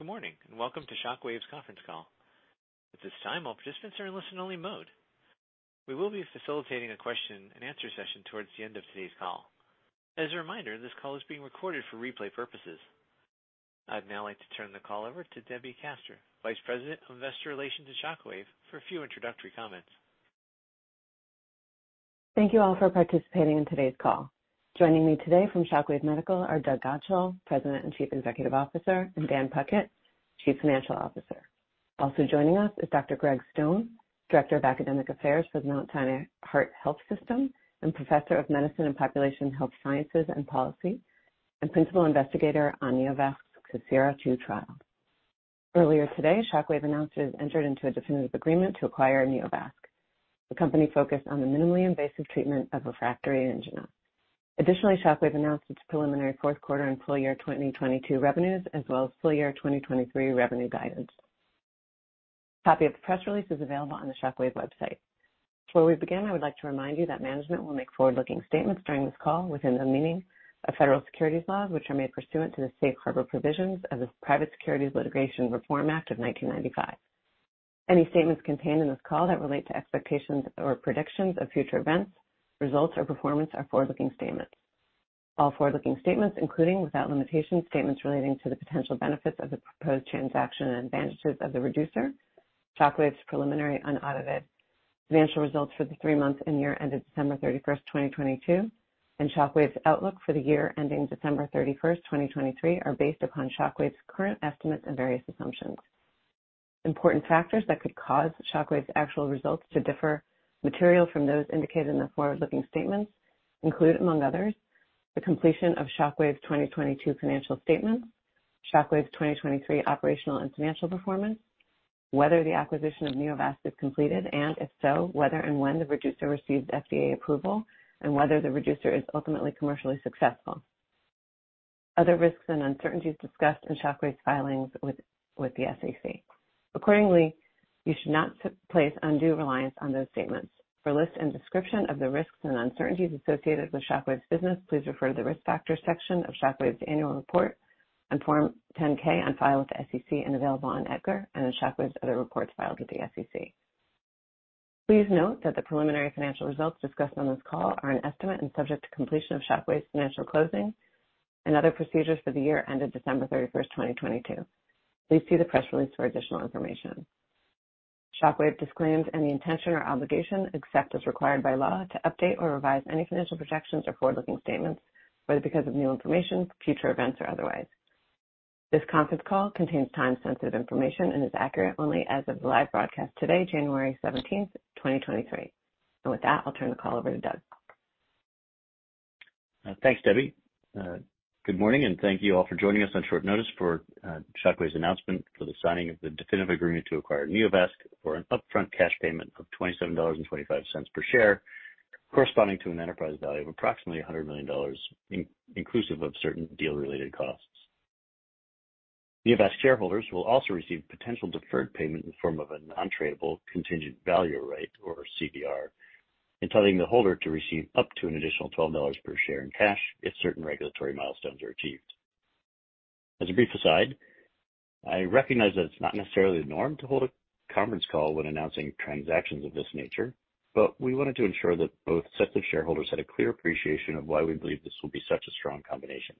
Good morning, and welcome to Shockwave's Conference Call. At this time, all participants are in listen-only mode. We will be facilitating a question-and-answer session towards the end of today's call. As a reminder, this call is being recorded for replay purposes. I'd now like to turn the call over to Debbie Kaster, Vice President of Investor Relations at Shockwave, for a few introductory comments. Thank you all for participating in today's call. Joining me today from Shockwave Medical are Doug Godshall, President and Chief Executive Officer, and Dan Puckett, Chief Financial Officer. Also joining us is Dr. Gregg Stone, Director of Academic Affairs for the Mount Sinai Heart Health System, and Professor of Medicine and Population Health Sciences and Policy, and Principal Investigator on Neovasc's COSIRA-II trial. Earlier today, Shockwave announced it has entered into a definitive agreement to acquire Neovasc, the company focused on the minimally invasive treatment of refractory angina. Additionally, Shockwave announced its preliminary fourth quarter and full year 2022 revenues as well as full year 2023 revenue guidance. A copy of the press release is available on the Shockwave website. Before we begin, I would like to remind you that management will make forward-looking statements during this call within the meaning of federal securities laws, which are made pursuant to the Safe Harbor provisions of the Private Securities Litigation Reform Act of 1995. Any statements contained in this call that relate to expectations or predictions of future events, results, or performance are forward-looking statements. All forward-looking statements, including, without limitation, statements relating to the potential benefits of the proposed transaction and advantages of the Reducer, Shockwave's preliminary unaudited financial results for the three months and year ended December 31, 2022, and Shockwave's outlook for the year ending December 31, 2023, are based upon Shockwave's current estimates and various assumptions. Important factors that could cause Shockwave's actual results to differ materially from those indicated in the forward-looking statements include, among others, the completion of Shockwave's 2022 financial statements, Shockwave's 2023 operational and financial performance, whether the acquisition of Neovasc is completed, and if so, whether and when the Reducer receives FDA approval and whether the Reducer is ultimately commercially successful. Other risks and uncertainties are discussed in Shockwave's filings with the SEC. Accordingly, you should not place undue reliance on those statements. For a list and description of the risks and uncertainties associated with Shockwave's business, please refer to the Risk Factors section of Shockwave's annual report on Form 10-K on file with the SEC and available on EDGAR and in Shockwave's other reports filed with the SEC. Please note that the preliminary financial results discussed on this call are an estimate and subject to completion of Shockwave's financial closing and other procedures for the year ended December 31, 2022. Please see the press release for additional information. Shockwave disclaims any intention or obligation, except as required by law, to update or revise any financial projections or forward-looking statements, whether because of new information, future events, or otherwise. This conference call contains time-sensitive information and is accurate only as of the live broadcast today, January 17, 2023. With that, I'll turn the call over to Doug. Thanks, Debbie. Good morning, and thank you all for joining us on short notice for Shockwave's announcement for the signing of the definitive agreement to acquire Neovasc for an upfront cash payment of $27.25 per share, corresponding to an enterprise value of approximately $100 million inclusive of certain deal-related costs. Neovasc shareholders will also receive potential deferred payment in the form of a non-tradable contingent value right or CVR, entitling the holder to receive up to an additional $12 per share in cash if certain regulatory milestones are achieved. As a brief aside, I recognize that it's not necessarily the norm to hold a conference call when announcing transactions of this nature, but we wanted to ensure that both sets of shareholders had a clear appreciation of why we believe this will be such a strong combination.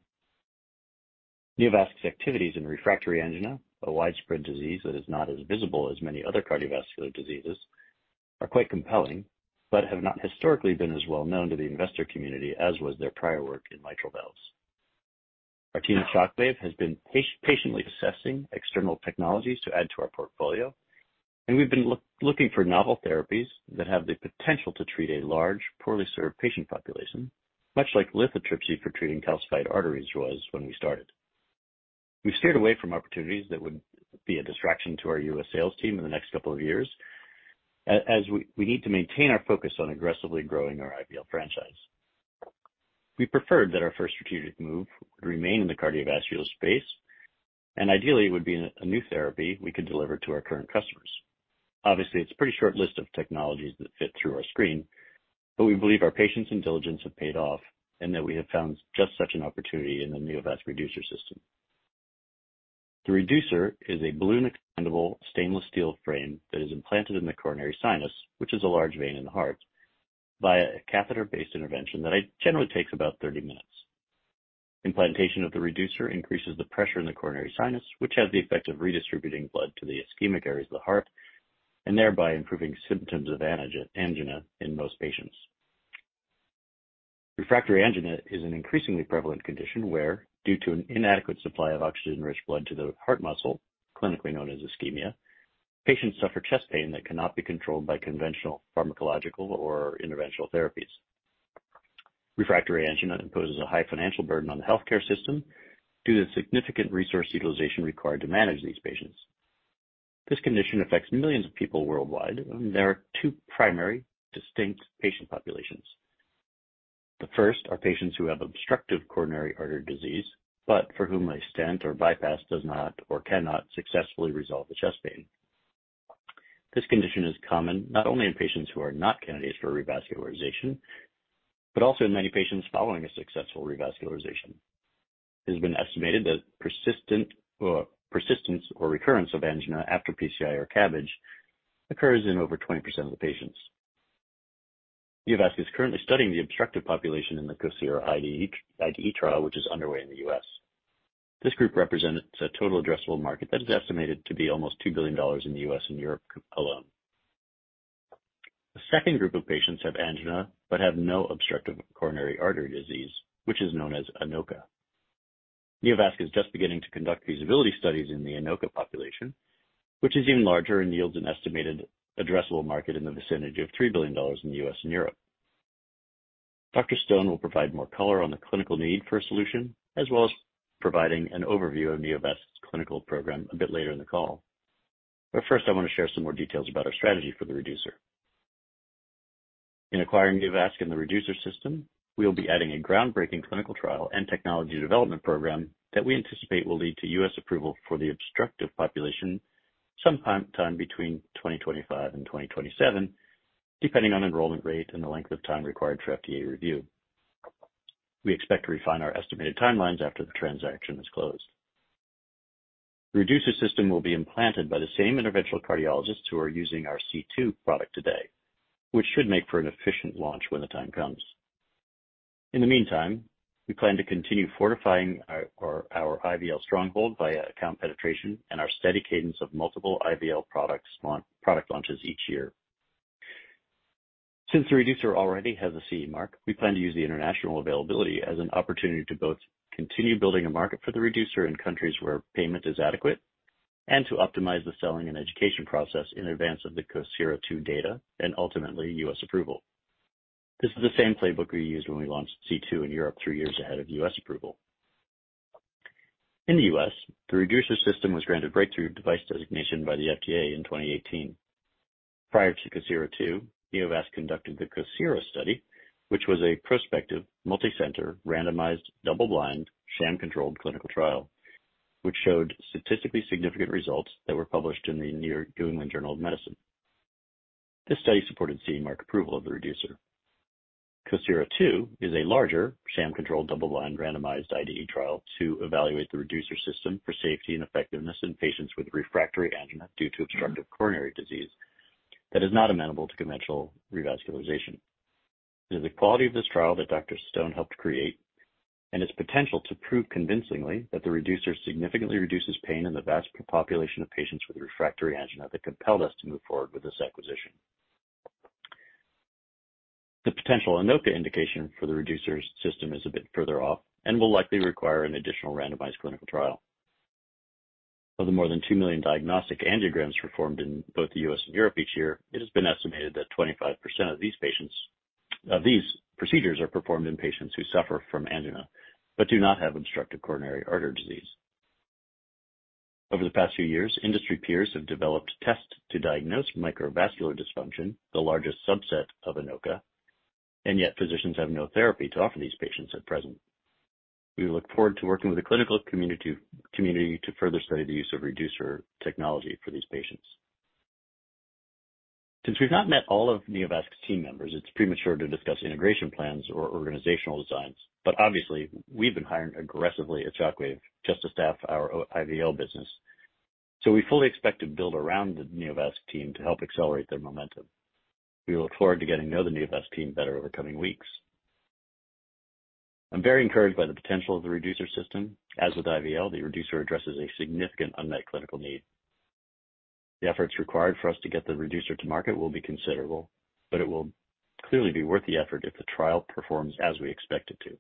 Neovasc's activities in refractory angina, a widespread disease that is not as visible as many other cardiovascular diseases, are quite compelling, but have not historically been as well known to the investor community as was their prior work in mitral valves. Our team at Shockwave has been patiently assessing external technologies to add to our portfolio, and we've been looking for novel therapies that have the potential to treat a large, poorly served patient population, much like lithotripsy for treating calcified arteries was when we started. We've steered away from opportunities that would be a distraction to our U.S. sales team in the next couple of years as we need to maintain our focus on aggressively growing our IVL franchise. We preferred that our first strategic move would remain in the cardiovascular space, and ideally, it would be a new therapy we could deliver to our current customers. Obviously, it's a pretty short list of technologies that fit through our screen, but we believe our patience and diligence have paid off and that we have found just such an opportunity in the Neovasc Reducer system. The Reducer is a balloon-expandable stainless steel frame that is implanted in the coronary sinus, which is a large vein in the heart, via a catheter-based intervention that generally takes about 30 minutes. Implantation of the Reducer increases the pressure in the coronary sinus, which has the effect of redistributing blood to the ischemic areas of the heart and thereby improving symptoms of angina in most patients. Refractory angina is an increasingly prevalent condition where, due to an inadequate supply of oxygen-rich blood to the heart muscle, clinically known as ischemia, patients suffer chest pain that cannot be controlled by conventional pharmacological or interventional therapies. Refractory angina imposes a high financial burden on the healthcare system due to the significant resource utilization required to manage these patients. This condition affects millions of people worldwide, and there are two primary distinct patient populations. The first are patients who have obstructive coronary artery disease, but for whom a stent or bypass does not or cannot successfully resolve the chest pain. This condition is common not only in patients who are not candidates for revascularization, but also in many patients following a successful revascularization. It has been estimated that persistent or recurrence of angina after PCI or CABG occurs in over 20% of the patients. Neovasc is currently studying the obstructive population in the COSIRA-II IDE trial, which is underway in the U.S. This group represents a total addressable market that is estimated to be almost $2 billion in the U.S. and Europe alone. The second group of patients have angina but have no obstructive coronary artery disease, which is known as INOCA. Neovasc is just beginning to conduct feasibility studies in the INOCA population, which is even larger and yields an estimated addressable market in the vicinity of $3 billion in the U.S. and Europe. Dr. Stone will provide more color on the clinical need for a solution, as well as providing an overview of Neovasc's clinical program a bit later in the call. I want to share some more details about our strategy for the Reducer. In acquiring Neovasc and the Reducer system, we will be adding a groundbreaking clinical trial and technology development program that we anticipate will lead to U.S. approval for the obstructive population sometime between 2025 and 2027, depending on enrollment rate and the length of time required for FDA review. We expect to refine our estimated timelines after the transaction is closed. Reducer system will be implanted by the same interventional cardiologists who are using our C2 product today, which should make for an efficient launch when the time comes. In the meantime, we plan to continue fortifying our IVL stronghold via account penetration and our steady cadence of multiple IVL product launches each year. Since the Reducer already has a CE mark, we plan to use the international availability as an opportunity to both continue building a market for the Reducer in countries where payment is adequate and to optimize the selling and education process in advance of the COSIRA-II data and ultimately U.S. approval. This is the same playbook we used when we launched C2 in Europe three years ahead of U.S. approval. In the U.S., the Reducer system was granted Breakthrough Device designation by the FDA in 2018. Prior to COSIRA-II, Neovasc conducted the COSIRA study, which was a prospective multicenter randomized double-blind sham-controlled clinical trial, which showed statistically significant results that were published in the New England Journal of Medicine. This study supported CE mark approval of the Reducer. COSIRA-II is a larger sham-controlled double-blind randomized IDE trial to evaluate the Reducer system for safety and effectiveness in patients with refractory angina due to obstructive coronary disease that is not amenable to conventional revascularization. It is the quality of this trial that Dr. Stone helped create and its potential to prove convincingly that the Reducer significantly reduces pain in the vast population of patients with refractory angina that compelled us to move forward with this acquisition. The potential INOCA indication for the Reducer system is a bit further off and will likely require an additional randomized clinical trial. Of the more than 2 million diagnostic angiograms performed in both the U.S. and Europe each year, it has been estimated that 25% of these procedures are performed in patients who suffer from angina but do not have obstructive coronary artery disease. Over the past few years, industry peers have developed tests to diagnose microvascular dysfunction, the largest subset of NOCA, and yet physicians have no therapy to offer these patients at present. We look forward to working with the clinical community to further study the use of Reducer technology for these patients. Since we've not met all of Neovasc's team members, it's premature to discuss integration plans or organizational designs, but obviously we've been hiring aggressively at Shockwave just to staff our IVL business. We fully expect to build around the Neovasc team to help accelerate their momentum. We look forward to getting to know the Neovasc team better over coming weeks. I'm very encouraged by the potential of the Reducer system. As with IVL, the Reducer addresses a significant unmet clinical need. The efforts required for us to get the Reducer to market will be considerable, but it will clearly be worth the effort if the trial performs as we expect it to.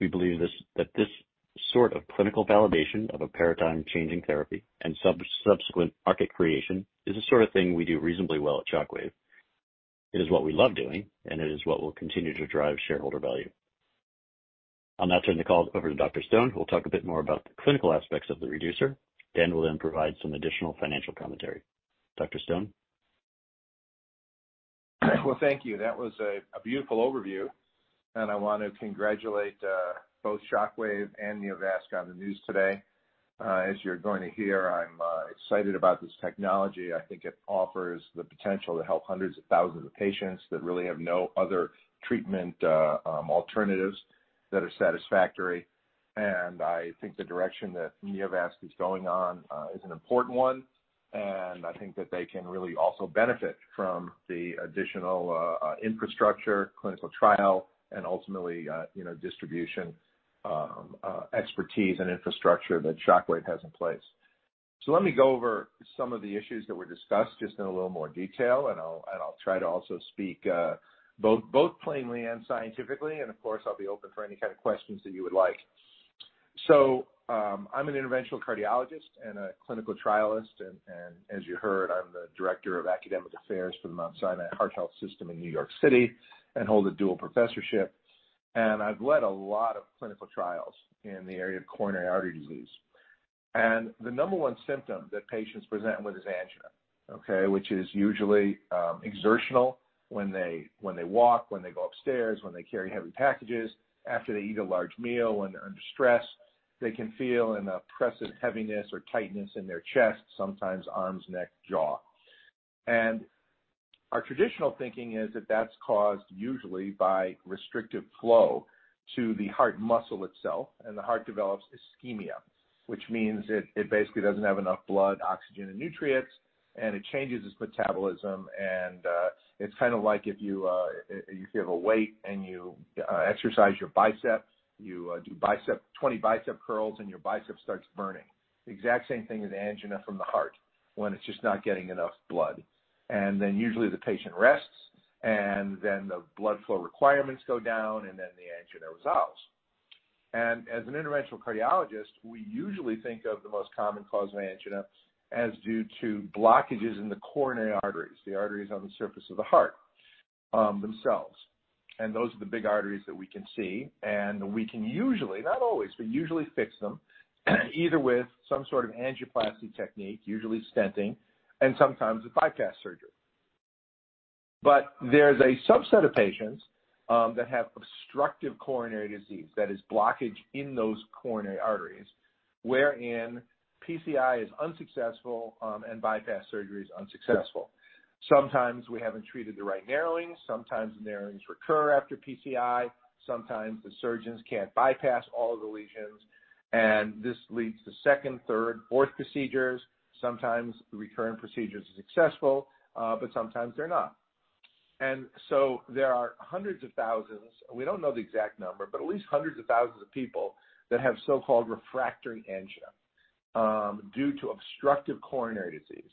We believe this, that this sort of clinical validation of a paradigm-changing therapy and subsequent market creation is the sort of thing we do reasonably well at Shockwave. It is what we love doing, and it is what will continue to drive shareholder value. I'll now turn the call over to Dr. Stone, who will talk a bit more about the clinical aspects of the Reducer. Dan will then provide some additional financial commentary. Dr. Stone? Well, thank you. That was a beautiful overview, and I want to congratulate both Shockwave and Neovasc on the news today. As you're going to hear, I'm excited about this technology. I think it offers the potential to help hundreds of thousands of patients that really have no other treatment alternatives that are satisfactory. I think the direction that Neovasc is going on is an important one, and I think that they can really also benefit from the additional infrastructure, clinical trial, and ultimately, you know, distribution expertise and infrastructure that Shockwave has in place. Let me go over some of the issues that were discussed just in a little more detail, and I'll try to also speak both plainly and scientifically. I'll be open for any kind of questions that you would like. I'm an interventional cardiologist and a clinical trialist, and as you heard, I'm the Director of Academic Affairs for the Mount Sinai Heart Health System in New York City and hold a dual professorship. I've led a lot of clinical trials in the area of coronary artery disease. The number one symptom that patients present with is angina, which is usually exertional when they walk, when they go upstairs, when they carry heavy packages, after they eat a large meal, when they're under stress. They can feel an oppressive heaviness or tightness in their chest, sometimes arms, neck, jaw. Our traditional thinking is that that's caused usually by restrictive flow to the heart muscle itself, and the heart develops ischemia, which means it basically doesn't have enough blood, oxygen, and nutrients, and it changes its metabolism. It's kind of like if you have a weight and you exercise your biceps, you do 20 bicep curls, and your bicep starts burning. The exact same thing as angina from the heart when it's just not getting enough blood. Usually the patient rests, and then the blood flow requirements go down, and then the angina resolves. As an interventional cardiologist, we usually think of the most common cause of angina as due to blockages in the coronary arteries, the arteries on the surface of the heart, themselves. Those are the big arteries that we can see, and we can usually, not always, but usually fix them either with some sort of angioplasty technique, usually stenting, and sometimes a bypass surgery. There's a subset of patients that have obstructive coronary disease, that is blockage in those coronary arteries, wherein PCI is unsuccessful, and bypass surgery is unsuccessful. Sometimes we haven't treated the right narrowing. Sometimes the narrowings recur after PCI. Sometimes the surgeons can't bypass all of the lesions, and this leads to second, third, fourth procedures. Sometimes the recurrent procedure is successful, but sometimes they're not. There are hundreds of thousands, we don't know the exact number, but at least hundreds of thousands of people that have so-called refractory angina due to obstructive coronary disease.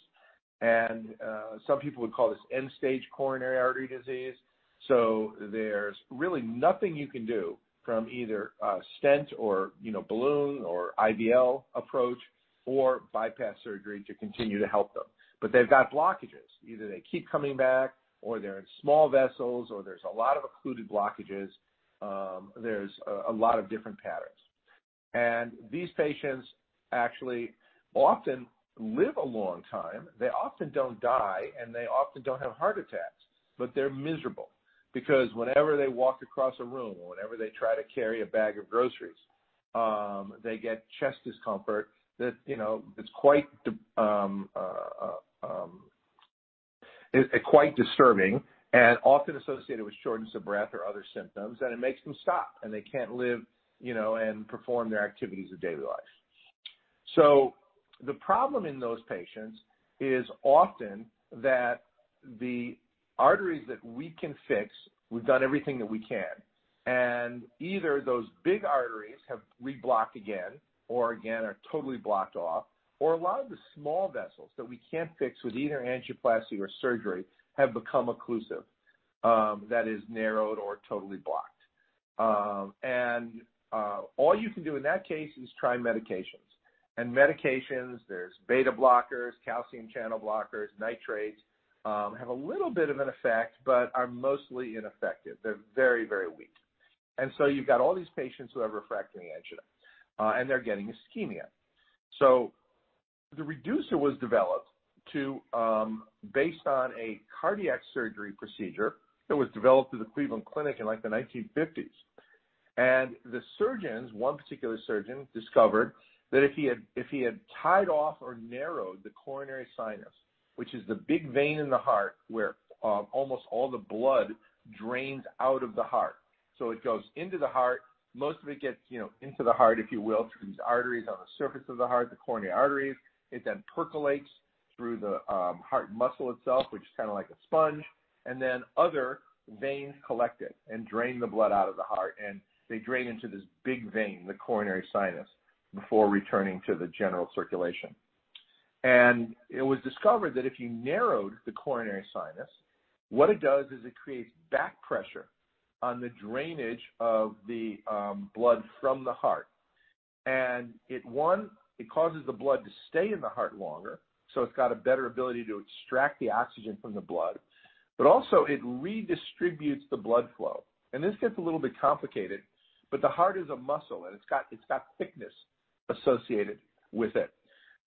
Some people would call this end-stage coronary artery disease. There's really nothing you can do from either a stent or, you know, balloon or IVL approach or bypass surgery to continue to help them. They've got blockages. Either they keep coming back, or they're in small vessels, or there's a lot of occluded blockages. There's a lot of different patterns. These patients actually often live a long time. They often don't die, and they often don't have heart attacks. They're miserable because whenever they walk across a room or whenever they try to carry a bag of groceries, they get chest discomfort that is quite disturbing and often associated with shortness of breath or other symptoms, and it makes them stop, and they can't live, you know, and perform their activities of daily life. The problem in those patients is often that the arteries that we can fix, we've done everything that we can, and either those big arteries have reblocked again or are totally blocked off or a lot of the small vessels that we can't fix with either angioplasty or surgery have become occlusive, that is narrowed or totally blocked. All you can do in that case is try medications. Medications, there's beta blockers, calcium channel blockers, nitrates, have a little bit of an effect but are mostly ineffective. They're very, very weak. You've got all these patients who have refractory angina, and they're getting ischemia. The Reducer was developed based on a cardiac surgery procedure that was developed at the Cleveland Clinic in, like, the 1950s. The surgeons, one particular surgeon, discovered that if he had tied off or narrowed the coronary sinus, which is the big vein in the heart where almost all the blood drains out of the heart. It goes into the heart. Most of it gets, you know, into the heart, if you will, through these arteries on the surface of the heart, the coronary arteries. It then percolates through the heart muscle itself, which is kinda like a sponge, and then other veins collect it and drain the blood out of the heart, and they drain into this big vein, the coronary sinus, before returning to the general circulation. It was discovered that if you narrowed the coronary sinus, what it does is it creates back pressure on the drainage of the blood from the heart. It causes the blood to stay in the heart longer, so it's got a better ability to extract the oxygen from the blood. Also, it redistributes the blood flow. This gets a little bit complicated, but the heart is a muscle, and it's got thickness associated with it.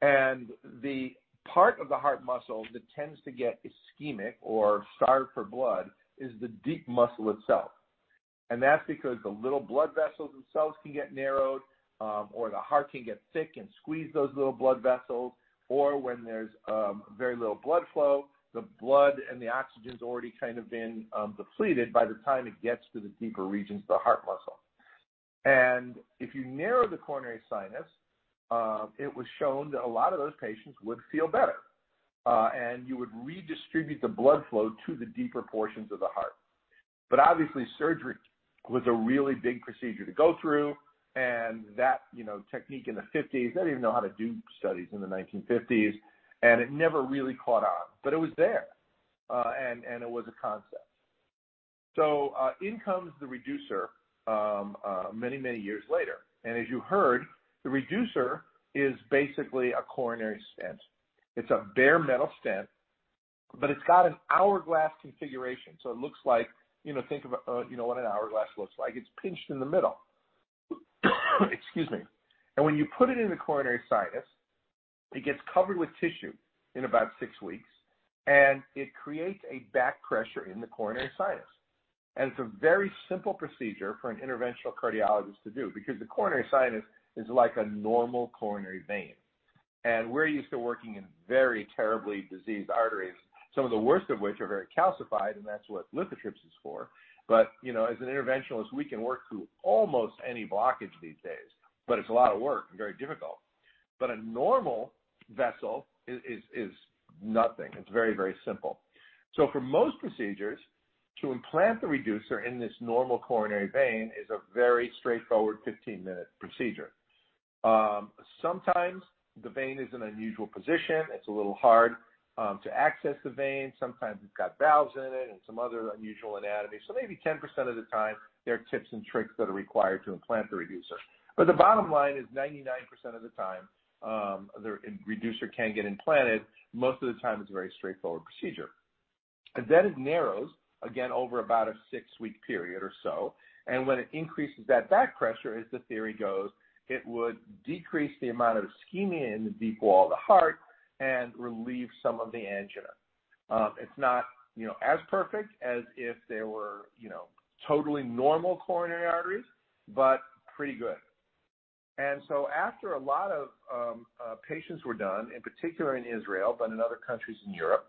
The part of the heart muscle that tends to get ischemic or starved for blood is the deep muscle itself. That's because the little blood vessels themselves can get narrowed, or the heart can get thick and squeeze those little blood vessels, or when there's very little blood flow, the blood and the oxygen's already kind of been depleted by the time it gets to the deeper regions of the heart muscle. If you narrow the coronary sinus, it was shown that a lot of those patients would feel better, and you would redistribute the blood flow to the deeper portions of the heart. Obviously, surgery was a really big procedure to go through, and that technique in the 1950s, they didn't even know how to do studies in the 1950s, and it never really caught on. It was there, and it was a concept. In comes the Reducer many, many years later. As you heard, the Reducer is basically a coronary stent. It's a bare metal stent, but it's got an hourglass configuration, so it looks like, you know, think of a, you know what an hourglass looks like. It's pinched in the middle. Excuse me. When you put it in the coronary sinus, it gets covered with tissue in about six weeks, and it creates a back pressure in the coronary sinus. It's a very simple procedure for an interventional cardiologist to do because the coronary sinus is like a normal coronary vein. We're used to working in very terribly diseased arteries, some of the worst of which are very calcified, and that's what lithotripsy is for. You know, as an interventionalist, we can work through almost any blockage these days, but it's a lot of work and very difficult. A normal vessel is nothing. It's very, very simple. For most procedures, to implant the Reducer in this normal coronary vein is a very straightforward 15-minute procedure. Sometimes the vein is in an unusual position. It's a little hard to access the vein. Sometimes it's got valves in it and some other unusual anatomy. Maybe 10% of the time, there are tips and tricks that are required to implant the Reducer. The bottom line is 99% of the time, the Reducer can get implanted, most of the time it's a very straightforward procedure. It narrows again over about a six-week period or so. When it increases that back pressure, as the theory goes, it would decrease the amount of ischemia in the deep wall of the heart and relieve some of the angina. It's not, you know, as perfect as if they were, you know, totally normal coronary arteries, but pretty good. After a lot of patients were done, in particular in Israel, but in other countries in Europe,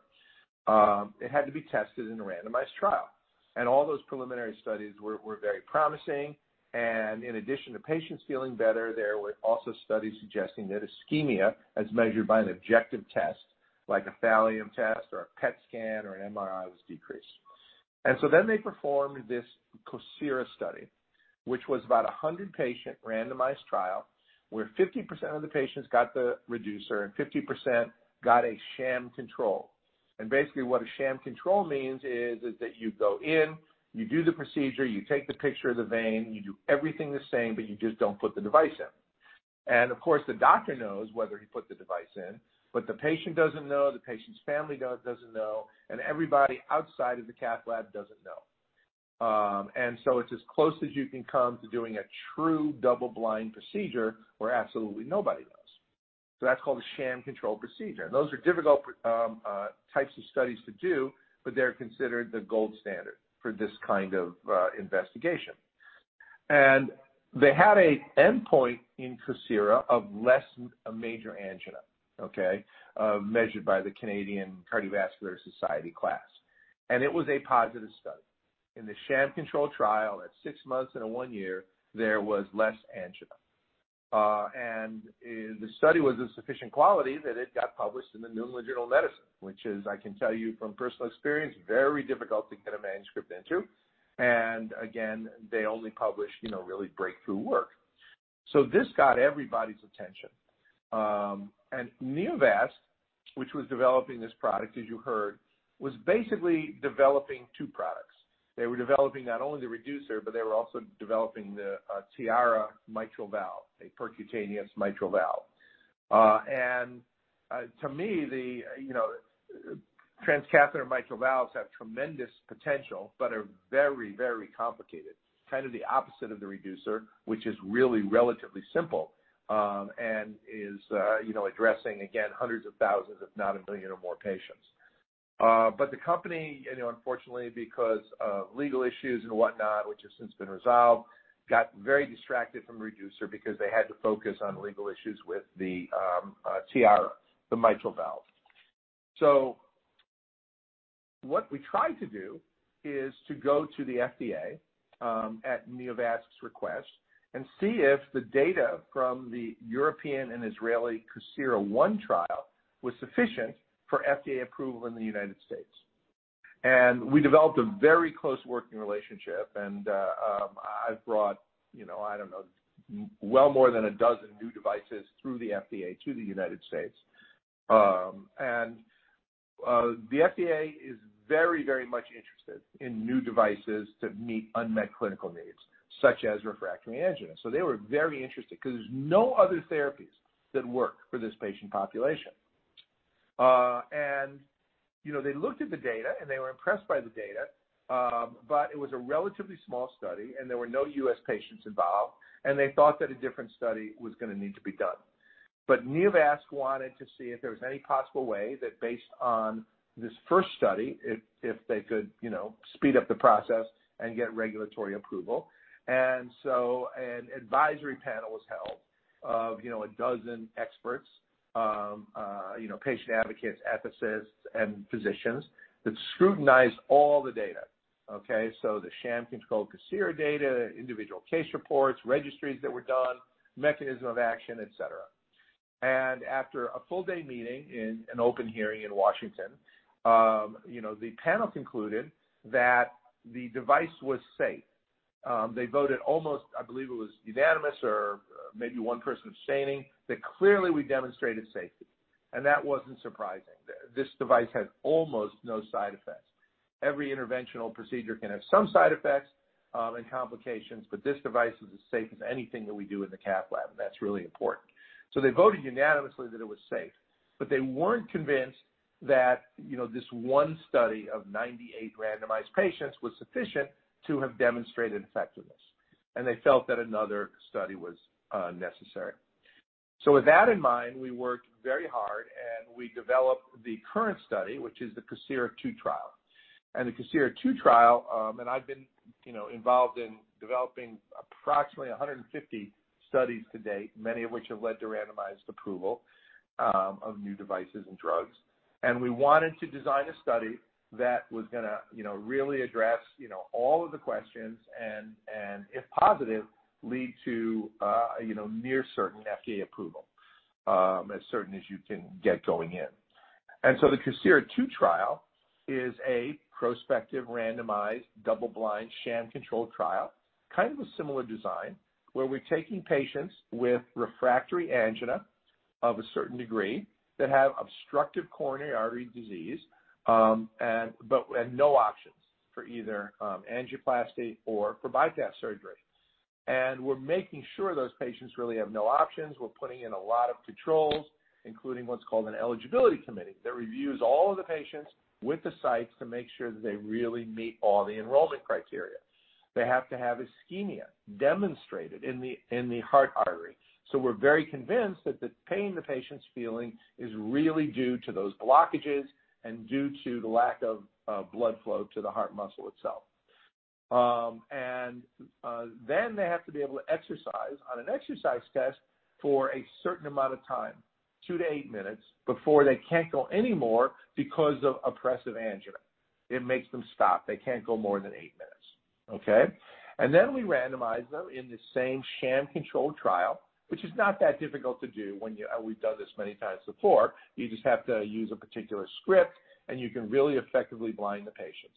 it had to be tested in a randomized trial. All those preliminary studies were very promising. In addition to patients feeling better, there were also studies suggesting that ischemia, as measured by an objective test like a thallium test or a PET scan or an MRI, was decreased. They performed this COSIRA study, which was about a 100-patient randomized trial, where 50% of the patients got the Reducer and 50% got a sham control. Basically, what a sham control means is that you go in, you do the procedure, you take the picture of the vein, you do everything the same, but you just don't put the device in. Of course, the doctor knows whether he put the device in, but the patient doesn't know, the patient's family doesn't know, and everybody outside of the cath lab doesn't know. It's as close as you can come to doing a true double-blind procedure where absolutely nobody knows. That's called a sham control procedure. Those are difficult types of studies to do, but they're considered the gold standard for this kind of investigation. They had an endpoint in COSIRA of less major angina, measured by the Canadian Cardiovascular Society class. It was a positive study. In the sham control trial, at six months and at one year, there was less angina. The study was of sufficient quality that it got published in the New England Journal of Medicine, which is, I can tell you from personal experience, very difficult to get a manuscript into. They only publish, you know, really breakthrough work. This got everybody's attention. Neovasc, which was developing this product, as you heard, was basically developing two products. They were developing not only the Reducer, but they were also developing the Tiara mitral valve, a percutaneous mitral valve. To me, the, you know, transcatheter mitral valves have tremendous potential but are very, very complicated, kind of the opposite of the Reducer, which is really relatively simple, and is, you know, addressing again, hundreds of thousands, if not a million or more patients. The company, you know, unfortunately, because of legal issues and whatnot, which has since been resolved, got very distracted from Reducer because they had to focus on legal issues with the Tiara, the mitral valve. What we tried to do is to go to the FDA at Neovasc's request and see if the data from the European and Israeli COSIRA one trial was sufficient for FDA approval in the United States. We developed a very close working relationship. I've brought, you know, I don't know, well more than a dozen new devices through the FDA to the United States. The FDA is very, very much interested in new devices to meet unmet clinical needs, such as refractory angina. They were very interested 'cause there's no other therapies that work for this patient population. You know, they looked at the data, and they were impressed by the data, but it was a relatively small study, and there were no U.S. patients involved, and they thought that a different study was gonna need to be done. Neovasc wanted to see if there was any possible way that based on this first study, if they could, you know, speed up the process and get regulatory approval. An advisory panel was held of, you know, a dozen experts, patient advocates, ethicists, and physicians that scrutinized all the data, okay? The sham-controlled COSIRA data, individual case reports, registries that were done, mechanism of action, etc. After a full-day meeting in an open hearing in Washington, you know, the panel concluded that the device was safe. They voted almost, I believe it was unanimous or maybe one person abstaining, that clearly we demonstrated safety. That wasn't surprising. This device had almost no side effects. Every interventional procedure can have some side effects, and complications, but this device is as safe as anything that we do in the cath lab, and that's really important. They voted unanimously that it was safe, but they weren't convinced that, you know, this one study of 98 randomized patients was sufficient to have demonstrated effectiveness. They felt that another study was necessary. With that in mind, we worked very hard, and we developed the current study, which is the COSIRA-II trial. The COSIRA-II trial, and I've been involved in developing approximately 150 studies to date, many of which have led to randomized approval of new devices and drugs. We wanted to design a study that was going to really address all of the questions and, if positive, lead to near certain FDA approval, as certain as you can get going in. The COSIRA-II trial is a prospective, randomized, double-blind, sham-controlled trial, kind of a similar design, where we're taking patients with refractory angina of a certain degree that have obstructive coronary artery disease, and no options for either angioplasty or for bypass surgery. We're making sure those patients really have no options. We're putting in a lot of controls, including what's called an eligibility committee that reviews all of the patients with the sites to make sure that they really meet all the enrollment criteria. They have to have ischemia demonstrated in the heart artery. We're very convinced that the pain the patient's feeling is really due to those blockages and due to the lack of blood flow to the heart muscle itself. They have to be able to exercise on an exercise test for a certain amount of time, 2-8 minutes, before they can't go any more because of oppressive angina. It makes them stop. They can't go more than 8 minutes. Okay? We randomize them in the same sham-controlled trial, which is not that difficult to do when you... We've done this many times before. You just have to use a particular script, and you can really effectively blind the patients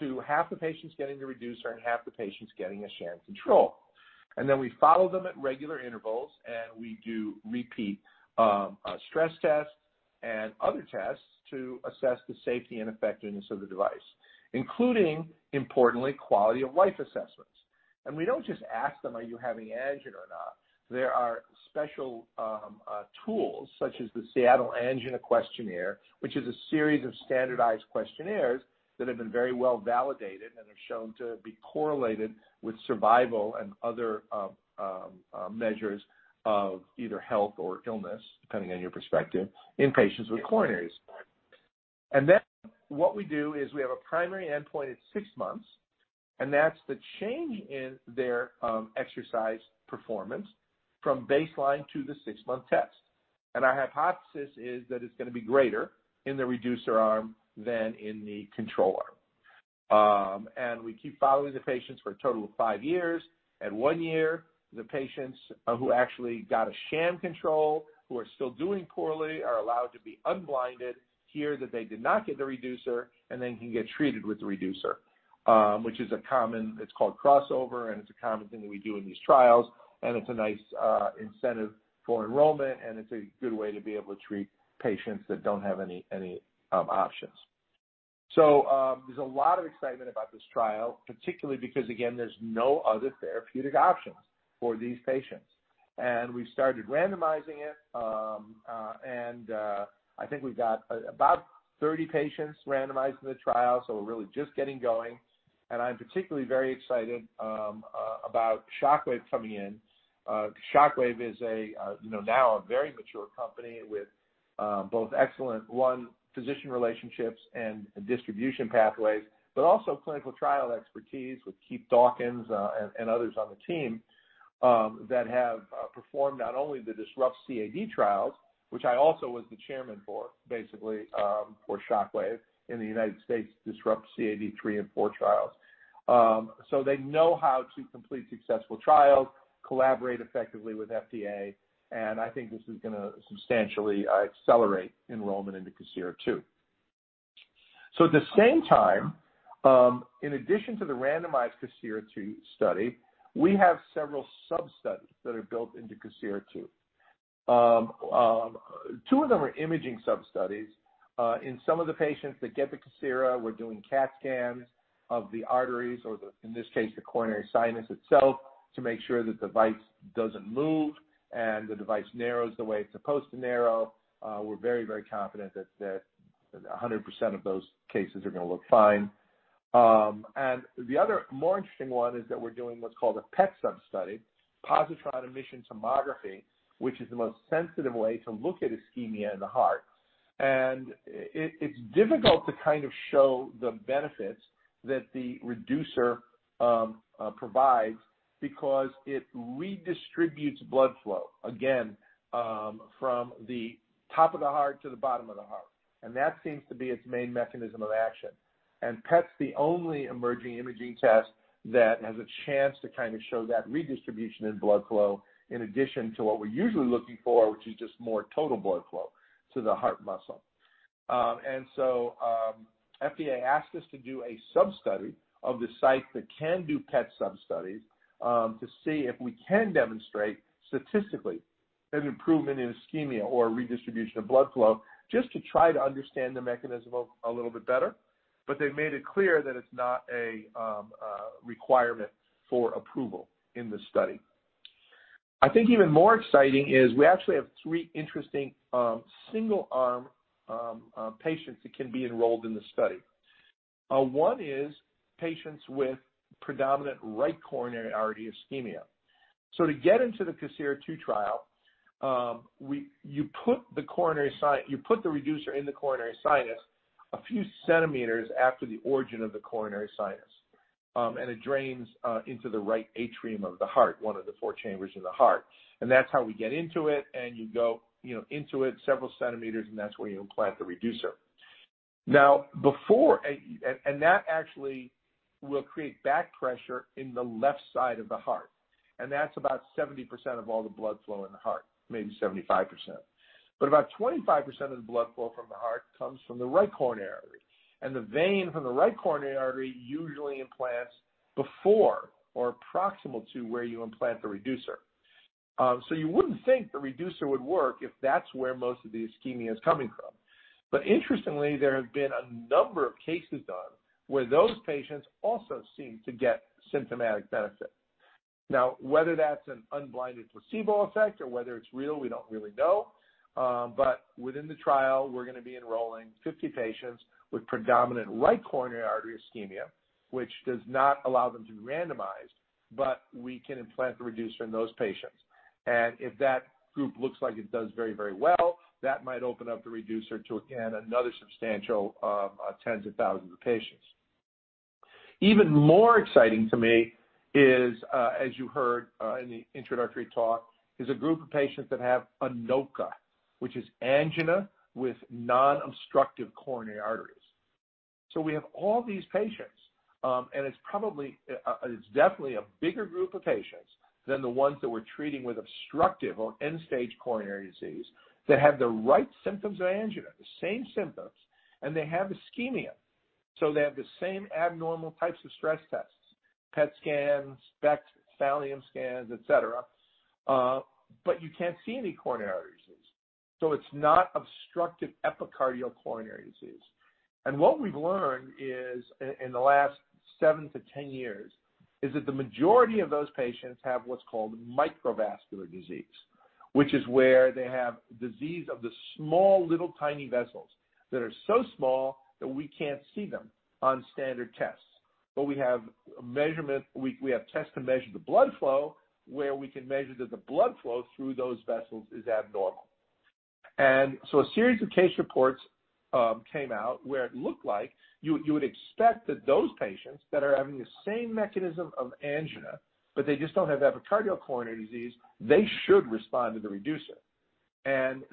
to half the patients getting the Reducer and half the patients getting a sham control. We follow them at regular intervals, and we do repeat stress tests and other tests to assess the safety and effectiveness of the device, including, importantly, quality-of-life assessments. We don't just ask them, "Are you having angina or not?" There are special tools such as the Seattle Angina Questionnaire, which is a series of standardized questionnaires that have been very well validated and are shown to be correlated with survival and other measures of either health or illness, depending on your perspective, in patients with coronaries. We have a primary endpoint at 6 months, and that's the change in their exercise performance from baseline to the 6-month test. Our hypothesis is that it's gonna be greater in the Reducer arm than in the control arm. We keep following the patients for a total of 5 years. At 1 year, the patients who actually got a sham control, who are still doing poorly, are allowed to be unblinded, hear that they did not get the Reducer, and then can get treated with the Reducer, which is a common... It's called crossover, and it's a common thing that we do in these trials, and it's a nice incentive for enrollment, and it's a good way to be able to treat patients that don't have any options. There's a lot of excitement about this trial, particularly because, again, there's no other therapeutic options for these patients. We've started randomizing it, and I think we've got about 30 patients randomized in the trial, so we're really just getting going. I'm particularly very excited about Shockwave coming in. Shockwave is a, you know, now a very mature company with both excellent, one, physician relationships and distribution pathways, but also clinical trial expertise with Keith Dawkins and others on the team that have performed not only the DISRUPT CAD trials, which I also was the chairman for, basically, for Shockwave in the United States, DISRUPT CAD III and IV trials. They know how to complete successful trials, collaborate effectively with FDA, and I think this is gonna substantially accelerate enrollment into COSIRA-II. At the same time, in addition to the randomized COSIRA-II study, we have several sub-studies that are built into COSIRA-II. Two of them are imaging sub-studies. In some of the patients that get the Reducer, we're doing CAT scans of the arteries or, in this case, the coronary sinus itself to make sure the device doesn't move and the device narrows the way it's supposed to narrow. We're very, very confident that 100% of those cases are gonna look fine. The other more interesting one is that we're doing what's called a PET sub-study, positron emission tomography, which is the most sensitive way to look at ischemia in the heart. It's difficult to kind of show the benefits that the Reducer provides because it redistributes blood flow, again, from the top of the heart to the bottom of the heart, and that seems to be its main mechanism of action. PET is the only emerging imaging test that has a chance to kind of show that redistribution in blood flow in addition to what we're usually looking for, which is just more total blood flow to the heart muscle. FDA asked us to do a sub-study of the sites that can do PET sub-studies to see if we can demonstrate statistically an improvement in ischemia or redistribution of blood flow, just to try to understand the mechanism a little bit better. They made it clear that it's not a requirement for approval in the study. I think even more exciting is we actually have three interesting single arm patients that can be enrolled in the study. One is patients with predominant right coronary artery ischemia. To get into the COSIRA-II trial, we put the coronary sinus... You put the Reducer in the coronary sinus a few centimeters after the origin of the coronary sinus, and it drains into the right atrium of the heart, one of the four chambers in the heart. That's how we get into it, and you go, you know, into it several centimeters, and that's where you implant the Reducer. Now, before... That actually will create back pressure in the left side of the heart, and that's about 70% of all the blood flow in the heart, maybe 75%. About 25% of the blood flow from the heart comes from the right coronary artery. The vein from the right coronary artery usually implants before or proximal to where you implant the Reducer. You wouldn't think the Reducer would work if that's where most of the ischemia is coming from. Interestingly, there have been a number of cases done where those patients also seem to get symptomatic benefit. Now, whether that's an unblinded placebo effect or whether it's real, we don't really know. Within the trial, we're going to be enrolling 50 patients with predominant right coronary artery ischemia, which does not allow them to be randomized, but we can implant the Reducer in those patients. If that group looks like it does very, very well, that might open up the Reducer to, again, another substantial tens of thousands of patients. Even more exciting to me is, as you heard in the introductory talk, a group of patients that have ANOCA, which is angina with non-obstructive coronary arteries. We have all these patients, and it's probably, it's definitely a bigger group of patients than the ones that we're treating with obstructive or end-stage coronary disease that have the right symptoms of angina, the same symptoms, and they have ischemia. They have the same abnormal types of stress tests, PET scans, SPECT, thallium scans, etc. You can't see any coronary artery disease, so it's not obstructive epicardial coronary disease. What we've learned in the last 7-10 years is that the majority of those patients have what's called microvascular disease, which is where they have disease of the small, little, tiny vessels that are so small that we can't see them on standard tests. We have tests to measure the blood flow, where we can measure that the blood flow through those vessels is abnormal. A series of case reports came out where it looked like you would expect that those patients that are having the same mechanism of angina, but they just don't have epicardial coronary disease, should respond to the Reducer. In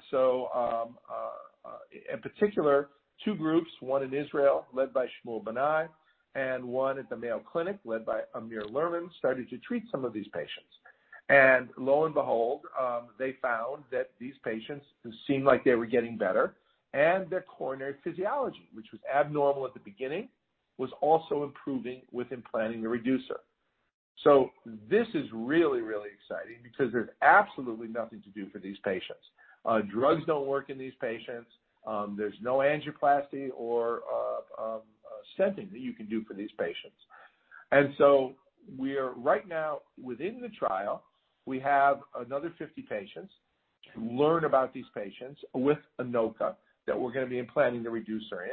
particular, two groups, one in Israel led by Shmuel Banai and one at the Mayo Clinic led by Amir Lerman, started to treat some of these patients. Lo and behold, they found that these patients who seemed like they were getting better and their coronary physiology, which was abnormal at the beginning, was also improving with implanting the Reducer. This is really, really exciting because there's absolutely nothing to do for these patients. Drugs don't work in these patients. There's no angioplasty or stenting that you can do for these patients. We're right now within the trial, we have another 50 patients to learn about these patients with ANOCA that we're gonna be implanting the Reducer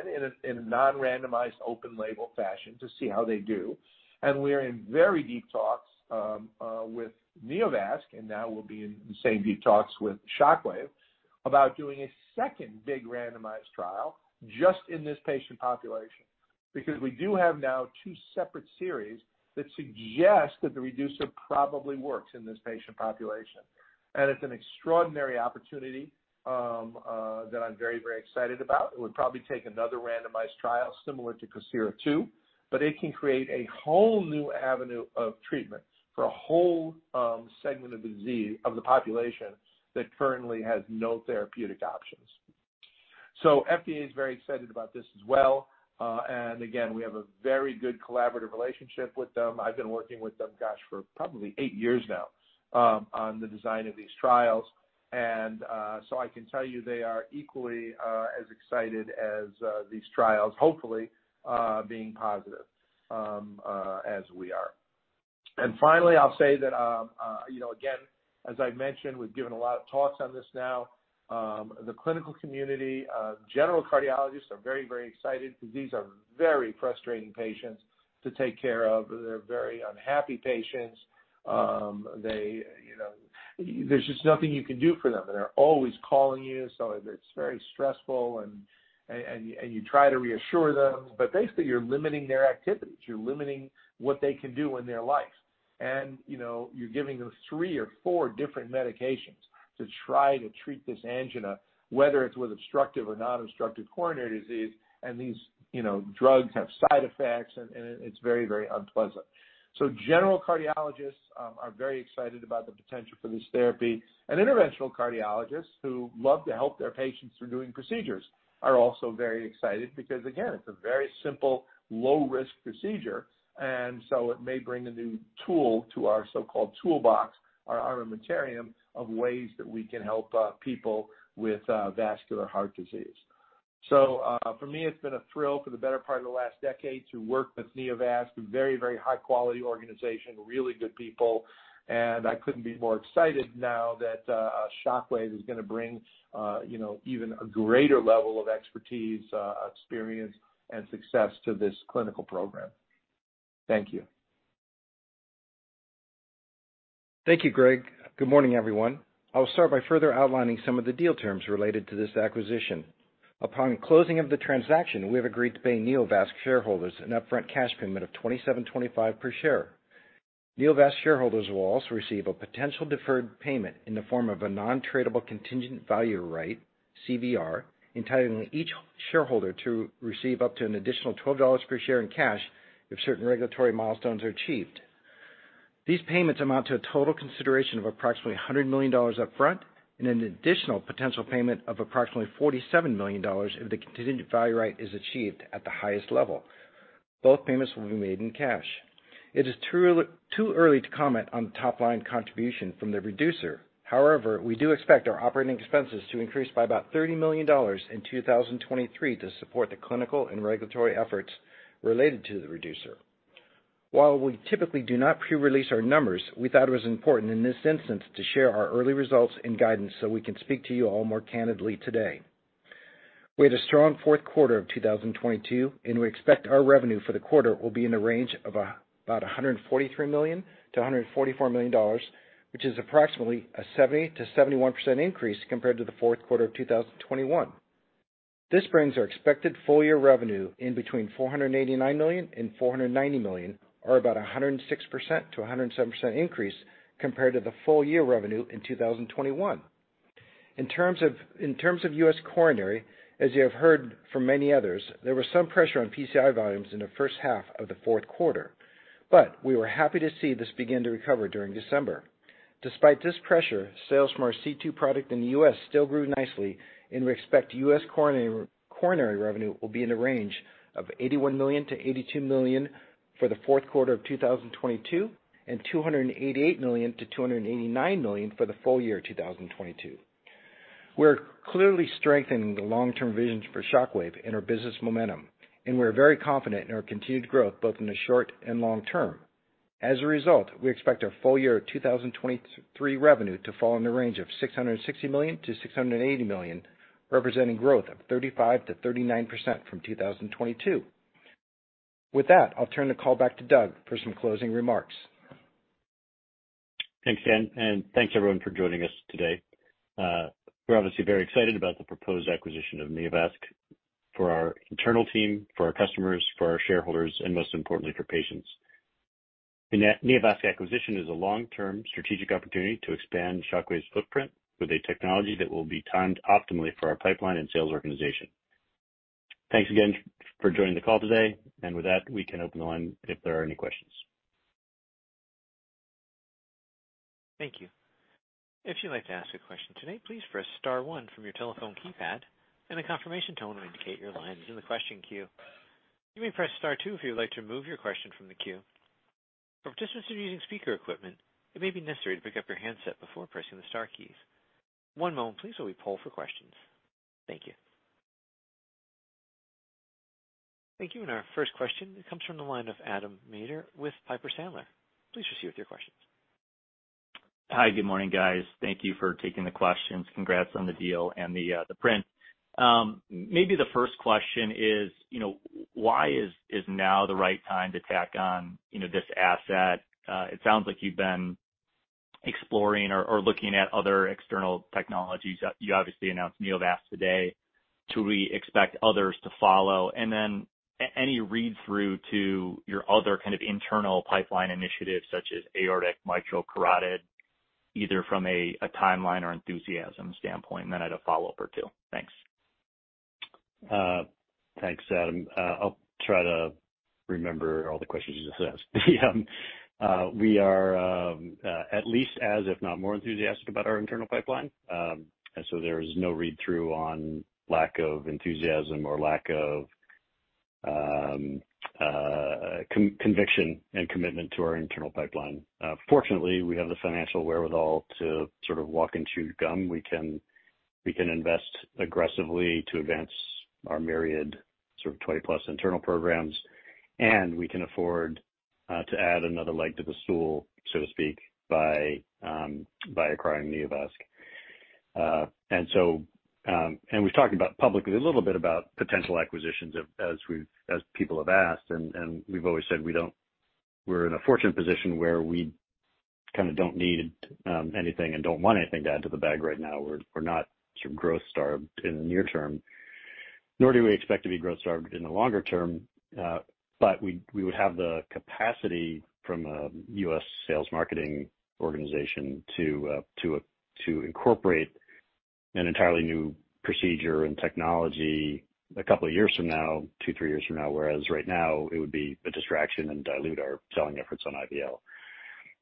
in a non-randomized open label fashion to see how they do. We're in very deep talks with Neovasc, and now we'll be in the same deep talks with Shockwave about doing a second big randomized trial just in this patient population. Because we do have now two separate series that suggest that the Reducer probably works in this patient population. It's an extraordinary opportunity that I'm very, very excited about. It would probably take another randomized trial similar to COSIRA-II, but it can create a whole new avenue of treatment for a whole segment of disease of the population that currently has no therapeutic options. FDA is very excited about this as well. Again, we have a very good collaborative relationship with them. I've been working with them, gosh, for probably 8 years now on the design of these trials. I can tell you they are equally as excited as these trials hopefully being positive, as we are. Finally, I'll say that, you know, again, as I've mentioned, we've given a lot of talks on this now. The clinical community, general cardiologists are very, very excited because these are very frustrating patients to take care of. They're very unhappy patients. They, you know, there's just nothing you can do for them. They're always calling you, so it's very stressful and you try to reassure them, but basically you're limiting their activities. You're limiting what they can do in their life. You know, you're giving them three or four different medications to try to treat this angina, whether it's with obstructive or non-obstructive coronary disease, and these drugs have side effects, and it's very, very unpleasant. General cardiologists are very excited about the potential for this therapy. Interventional cardiologists who love to help their patients through doing procedures are also very excited because again, it's a very simple low-risk procedure, and it may bring a new tool to our so-called toolbox or armamentarium of ways that we can help people with vascular heart disease. For me, it's been a thrill for the better part of the last decade to work with Neovasc, a very, very high-quality organization, really good people. I couldn't be more excited now that Shockwave is gonna bring, you know, even a greater level of expertise, experience, and success to this clinical program. Thank you. Thank you, Gregg. Good morning, everyone. I'll start by further outlining some of the deal terms related to this acquisition. Upon closing of the transaction, we have agreed to pay Neovasc shareholders an upfront cash payment of $27.25 per share. Neovasc shareholders will also receive a potential deferred payment in the form of a non-tradable contingent value right, CVR, entitling each shareholder to receive up to an additional $12 per share in cash if certain regulatory milestones are achieved. These payments amount to a total consideration of approximately $100 million upfront and an additional potential payment of approximately $47 million if the contingent value right is achieved at the highest level. Both payments will be made in cash. It is too early, too early to comment on top-line contribution from the Reducer. However, we do expect our operating expenses to increase by about $30 million in 2023 to support the clinical and regulatory efforts related to the Reducer. While we typically do not pre-release our numbers, we thought it was important in this instance to share our early results and guidance so we can speak to you all more candidly today. We had a strong fourth quarter of 2022, and we expect our revenue for the quarter will be in the range of about $143 million-$144 million, which is approximately a 70%-71% increase compared to the fourth quarter of 2021. This brings our expected full-year revenue in between $489 million and $490 million, or about 106%-107% increase compared to the full-year revenue in 2021. In terms of US coronary, as you have heard from many others, there was some pressure on PCI volumes in the first half of the fourth quarter. We were happy to see this begin to recover during December. Despite this pressure, sales from our C2 product in the US still grew nicely, and we expect US coronary revenue will be in the range of $81 million-$82 million for the fourth quarter of 2022 and $288 million-$289 million for the full year of 2022. We're clearly strengthening the long-term visions for Shockwave and our business momentum, and we're very confident in our continued growth, both in the short and long term. As a result, we expect our full year 2023 revenue to fall in the range of $660 million-$680 million, representing growth of 35%-39% from 2022. With that, I'll turn the call back to Doug for some closing remarks. Thanks, Dan, thanks everyone for joining us today. We're obviously very excited about the proposed acquisition of Neovasc for our internal team, for our customers, for our shareholders, and most importantly, for patients. The Neovasc acquisition is a long-term strategic opportunity to expand Shockwave's footprint with a technology that will be timed optimally for our pipeline and sales organization. Thanks again for joining the call today. With that, we can open the line if there are any questions. Thank you. If you'd like to ask a question today, please press star one from your telephone keypad, and a confirmation tone will indicate your line is in the question queue. You may press star two if you would like to remove your question from the queue. For participants who are using speaker equipment, it may be necessary to pick up your handset before pressing the star keys. One moment please while we poll for questions. Thank you. Our first question comes from the line of Adam Maeder with Piper Sandler. Please proceed with your questions. Hi. Good morning, guys. Thank you for taking the questions. Congrats on the deal and the print. Maybe the first question is, you know, why is now the right time to tack on this asset? It sounds like you've been exploring or looking at other external technologies. You obviously announced Neovasc today. Do we expect others to follow? Any read-through to your other kind of internal pipeline initiatives such as aortic, mitral, carotid, either from a timeline or enthusiasm standpoint? I had a follow-up or two. Thanks. Thanks, Adam. I'll try to remember all the questions you just asked. We are at least as, if not more, enthusiastic about our internal pipeline. There's no read-through on lack of enthusiasm or lack of conviction and commitment to our internal pipeline. Fortunately, we have the financial wherewithal to sort of walk and chew gum. We can invest aggressively to advance our myriad sort of 20-plus internal programs, and we can afford to add another leg to the stool, so to speak, by acquiring Neovasc. We've talked publicly a little bit about potential acquisitions as people have asked, and we've always said we don't... We're in a fortunate position where we kinda don't need anything and don't want anything to add to the bag right now. We're not sort of growth starved in the near term, nor do we expect to be growth starved in the longer term. We would have the capacity from a US sales marketing organization to incorporate an entirely new procedure and technology a couple of years from now, two, three years from now, whereas right now, it would be a distraction and dilute our selling efforts on IVL.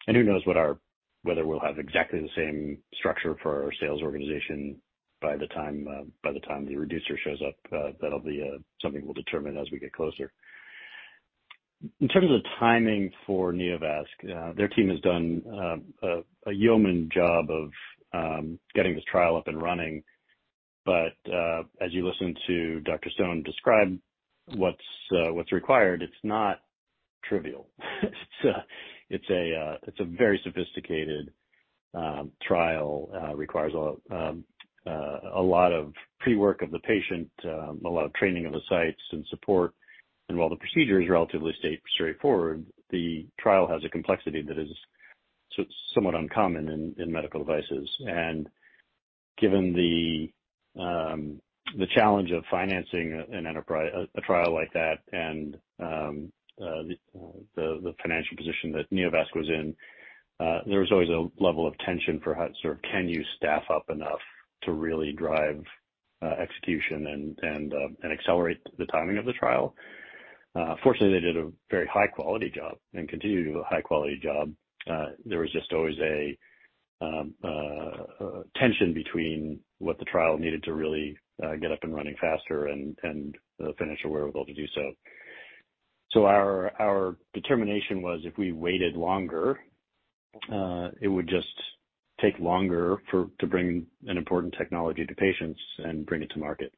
Who knows whether we'll have exactly the same structure for our sales organization by the time the Reducer shows up. That'll be something we'll determine as we get closer. In terms of the timing for Neovasc, their team has done a yeoman job of getting this trial up and running. As you listen to Dr. Stone describe what's required, it's not trivial. It's a very sophisticated trial, requires a lot of pre-work of the patient, a lot of training of the sites and support. While the procedure is relatively straightforward, the trial has a complexity that is somewhat uncommon in medical devices. Given the challenge of financing an enterprise, a trial like that and the financial position that Neovasc was in, there was always a level of tension for sort of can you staff up enough to really drive execution and accelerate the timing of the trial. Fortunately, they did a very high-quality job and continue to do a high-quality job. There was just always a tension between what the trial needed to really get up and running faster and the financial wherewithal to do so. Our determination was if we waited longer, it would just take longer to bring an important technology to patients and bring it to market.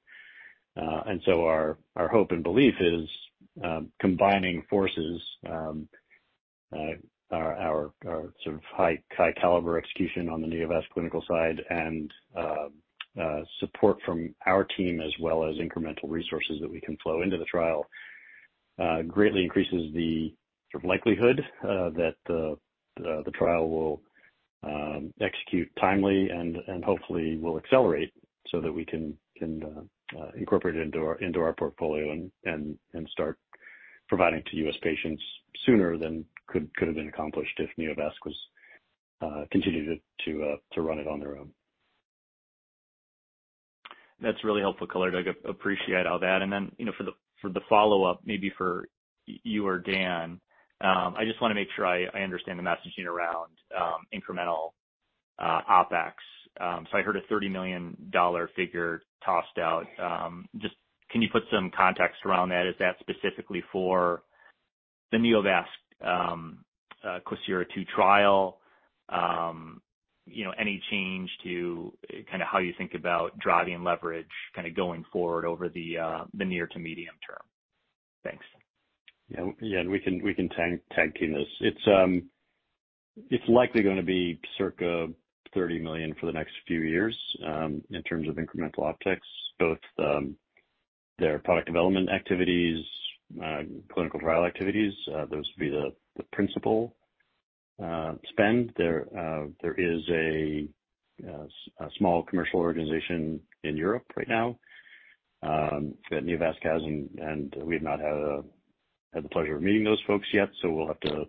Our hope and belief is combining forces, our sort of high-caliber execution on the Neovasc clinical side and support from our team as well as incremental resources that we can flow into the trial greatly increases the likelihood that the trial will execute timely and hopefully will accelerate so that we can incorporate it into our portfolio and start providing to U.S. patients sooner than could have been accomplished if Neovasc was continued to run it on their own. That's really helpful color, Doug. Appreciate all that. For the follow-up, maybe for you or Dan, I just want to make sure I understand the messaging around incremental OpEx. I heard a $30 million figure tossed out. Just can you put some context around that? Is that specifically for the Neovasc COSIRA-II trial? Any change to kind of how you think about driving leverage going forward over the near to medium term? Thanks. Yeah, we can tag team this. It's likely gonna be circa $30 million for the next few years in terms of incremental OpEx, both their product development activities, clinical trial activities, those would be the principal spend. There is a small commercial organization in Europe right now that Neovasc has, and we have not had the pleasure of meeting those folks yet, so we'll have to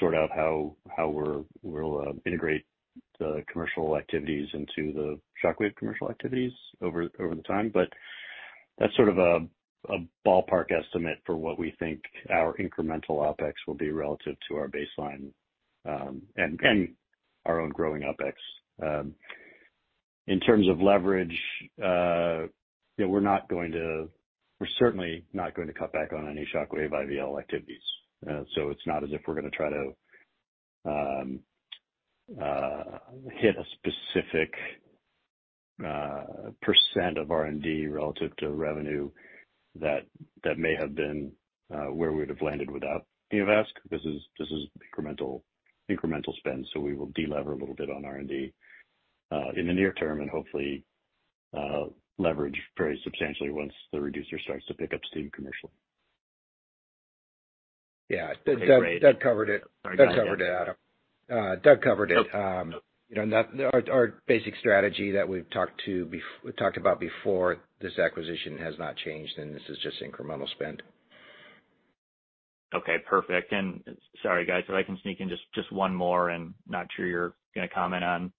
sort out how we're, we'll integrate the commercial activities into the Shockwave commercial activities over the time. That's sort of a ballpark estimate for what we think our incremental OpEx will be relative to our baseline, and our own growing OpEx. In terms of leverage, you know, we're not going to. We're certainly not going to cut back on any Shockwave IVL activities. It's not as if we're going to try to hit a specific % of R&D relative to revenue that may have been where we would have landed without Neovasc. This is incremental spend, so we will de-lever a little bit on R&D in the near term and hopefully leverage very substantially once the Reducer starts to pick up steam commercially. Yeah. Doug covered it. Sorry, go ahead, Dan. Doug covered it, Adam. Doug covered it. Oh. You know, our basic strategy that we've talked about before this acquisition has not changed, and this is just incremental spend. Okay, perfect. Sorry, guys, if I can sneak in just one more, not sure you're gonna comment on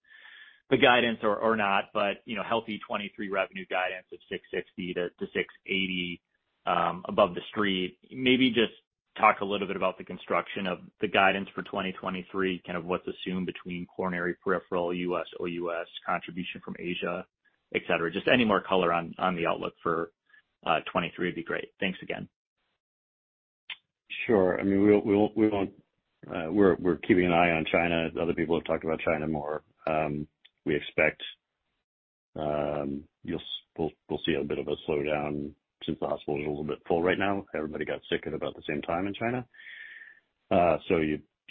the guidance or not, but, you know, healthy 2023 revenue guidance of $660-$680, above the street. Maybe just talk a little bit about the construction of the guidance for 2023, kind of what's assumed between coronary, peripheral, US, OUS, contribution from Asia, etc. Just any more color on the outlook for 2023 would be great. Thanks again. Sure. I mean, we won't, we're keeping an eye on China, as other people have talked about China more. We expect you'll see a bit of a slowdown since the hospital is a little bit full right now. Everybody got sick at about the same time in China.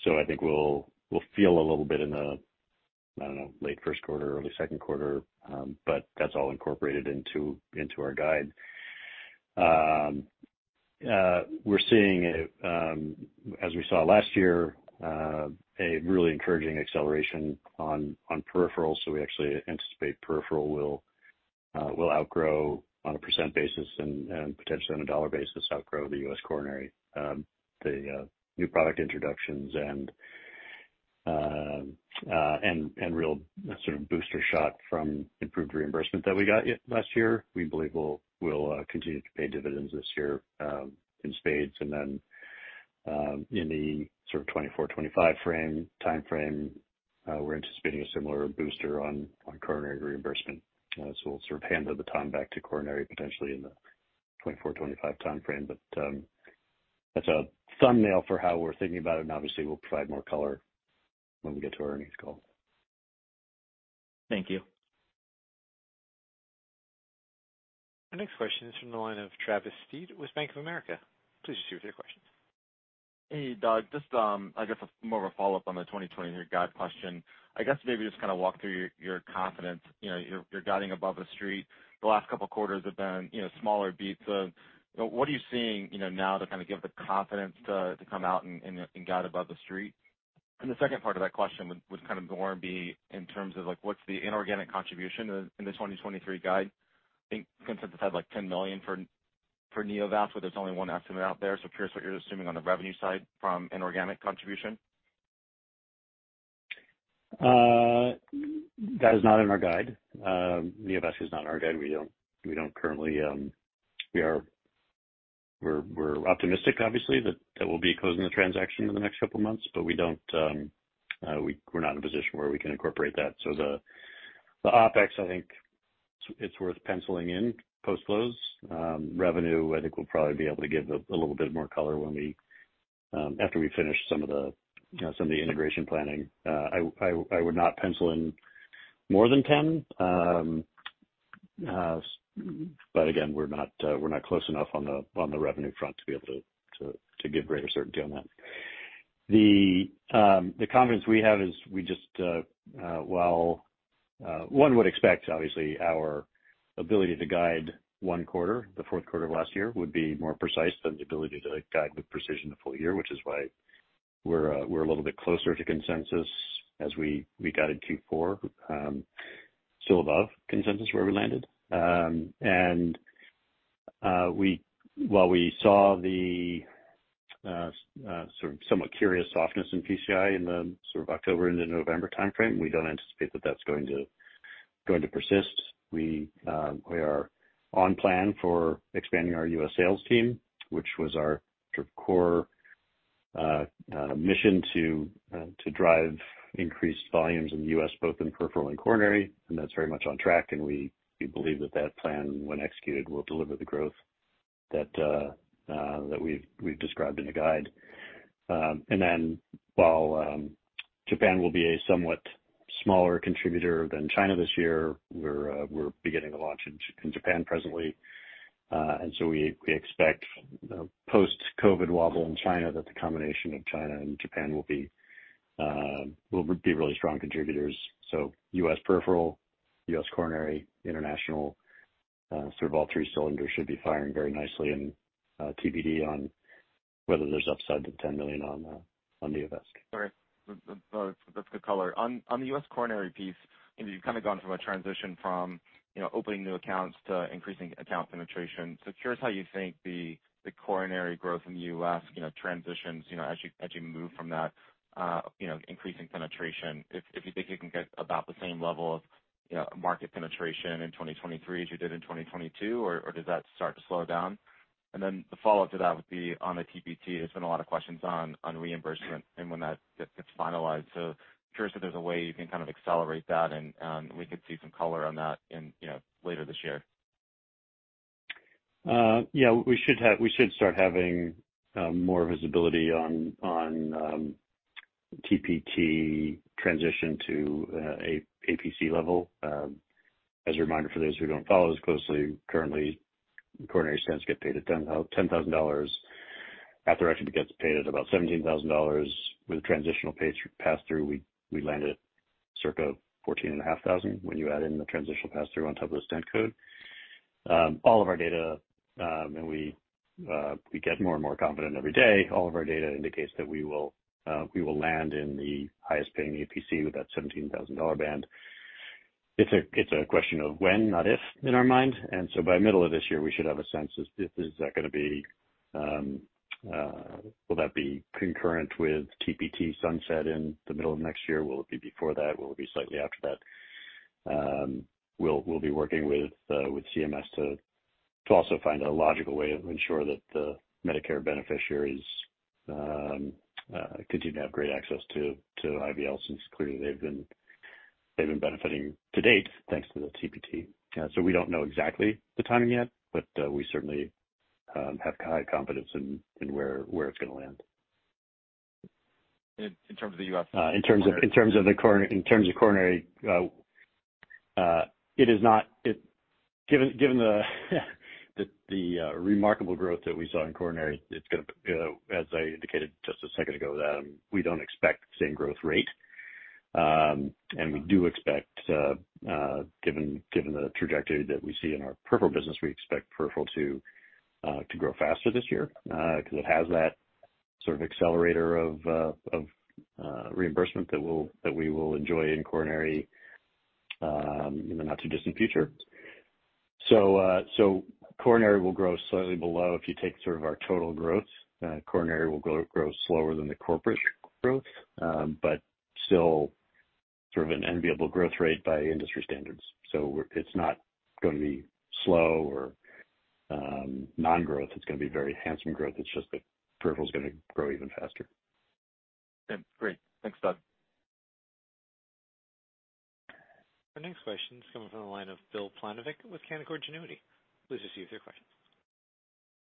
I think we'll feel a little bit in the, I don't know, late first quarter, early second quarter, but that's all incorporated into our guide. We're seeing, as we saw last year, a really encouraging acceleration on peripheral. We actually anticipate peripheral will outgrow on a percent basis and potentially on a dollar basis, outgrow the US coronary. The new product introductions and real sort of booster shot from improved reimbursement that we got last year, we believe will continue to pay dividends this year, in spades. In the sort of 2024/2025 time frame, we're anticipating a similar booster on coronary reimbursement. We'll sort of hand the time back to coronary potentially in the 2024/2025 timeframe. That's a thumbnail for how we're thinking about it, and obviously we'll provide more color when we get to our earnings call. Thank you. Our next question is from the line of Travis Steed with Bank of America. Please proceed with your questions. Hey, Doug. Just, I guess more of a follow-up on the 2023 guide question. I guess maybe just kind of walk through your confidence. You know, you're guiding above the street. The last couple of quarters have been smaller beats. What are you seeing now to kind of give the confidence to come out and guide above the street? The second part of that question would kind of more be in terms of like, what's the inorganic contribution in the 2023 guide? I think consensus had like $10 million for Neovasc, but there's only one estimate out there. Curious what you're assuming on the revenue side from inorganic contribution. That is not in our guide. Neovasc is not in our guide. We don't currently, we are optimistic obviously that we'll be closing the transaction in the next couple of months, but we don't, we're not in a position where we can incorporate that. The OpEx, I think it's worth penciling in post-close. Revenue, I think we'll probably be able to give a little bit more color when we, after we finish some of the integration planning. I would not pencil in more than 10. But again, we're not close enough on the revenue front to be able to give greater certainty on that. The confidence we have is we just, while one would expect obviously our ability to guide one quarter, the fourth quarter of last year, would be more precise than the ability to guide with precision a full year, which is why we're a little bit closer to consensus as we guided Q4. Still above consensus where we landed. While we saw the sort of somewhat curious softness in PCI in the sort of October into November timeframe, we don't anticipate that that's going to persist. We are on plan for expanding our US sales team, which was our sort of core mission to drive increased volumes in the US both in peripheral and coronary, and that's very much on track and we believe that that plan when executed, will deliver the growth that we've described in the guide. While Japan will be a somewhat smaller contributor than China this year, we're beginning to launch in Japan presently. We expect, you know, post-COVID wobble in China, that the combination of China and Japan will be really strong contributors. US peripheral, US coronary, international, sort of all three cylinders should be firing very nicely and TBD on whether there's upside to $10 million on Neovasc. All right. That's good color. On the US coronary piece, you've kind of gone from a transition from, you know, opening new accounts to increasing account penetration. Curious how you think the coronary growth in the US transitions, you know, as you move from that, you know, increasing penetration. If you think you can get about the same level of, you know, market penetration in 2023 as you did in 2022 or does that start to slow down? The follow-up to that would be on the TPT. There's been a lot of questions on reimbursement and when that gets finalized. Curious if there's a way you can kind of accelerate that and we could see some color on that in, you know, later this year. We should start having more visibility on TPT transition to APC level. As a reminder for those who don't follow as closely, currently coronary stents get paid at $10,000. Atherectomy gets paid at about $17,000. With a transitional pass through, we land at circa $14,500 when you add in the transitional pass through on top of the stent code. All of our data, and we get more and more confident every day, all of our data indicates that we will land in the highest paying APC with that $17,000 band. It's a question of when, not if, in our mind. By middle of this year, we should have a sense, is that gonna be, will that be concurrent with TPT sunset in the middle of next year? Will it be before that? Will it be slightly after that? We'll be working with CMS to also find a logical way to ensure that the Medicare beneficiaries continue to have great access to IVLs since clearly they've been benefiting to date, thanks to the TPT. We don't know exactly the timing yet, but we certainly have high confidence in where it's gonna land. In terms of the U.S. In terms of coronary, it is not— Given the remarkable growth that we saw in coronary, it's gonna, as I indicated just a second ago, we don't expect the same growth rate. We do expect, given the trajectory that we see in our peripheral business, we expect peripheral to grow faster this year, because it has that sort of accelerator of reimbursement that we will enjoy in coronary in the not too distant future. Coronary will grow slightly below. If you take sort of our total growth, coronary will grow slower than the corporate growth, but still sort of an enviable growth rate by industry standards. We're not gonna be slow or non-growth, it's gonna be very handsome growth. It's just that peripheral is gonna grow even faster. Yeah. Great. Thanks, Doug. The next question is coming from the line of Bill Plovanic with Canaccord Genuity. Please proceed with your question.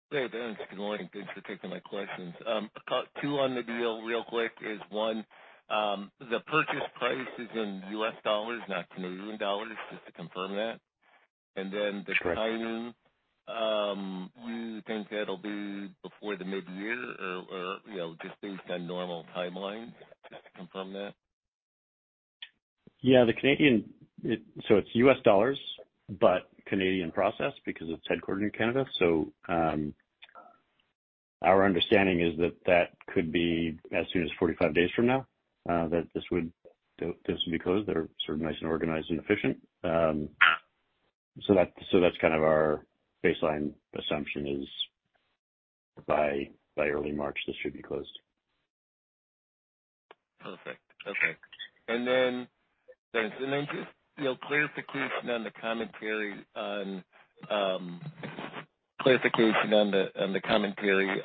Hey, Dan. Good morning. Thanks for taking my questions. A couple on the deal real quick is, one, the purchase price is in US dollars, not Canadian dollars, just to confirm that. Sure. The timing, do you think that'll be before the mid-year or, you know, just based on normal timelines? Can I confirm that? Yeah, the Canadian... It's US dollars but Canadian process because it's headquartered in Canada. Our understanding is that that could be as soon as 45 days from now, that this would, this would be closed. They're sort of nice and organized and efficient. That's kind of our baseline assumption is by early March, this should be closed. Perfect. Okay. Thanks. Just, you know, clarification on the commentary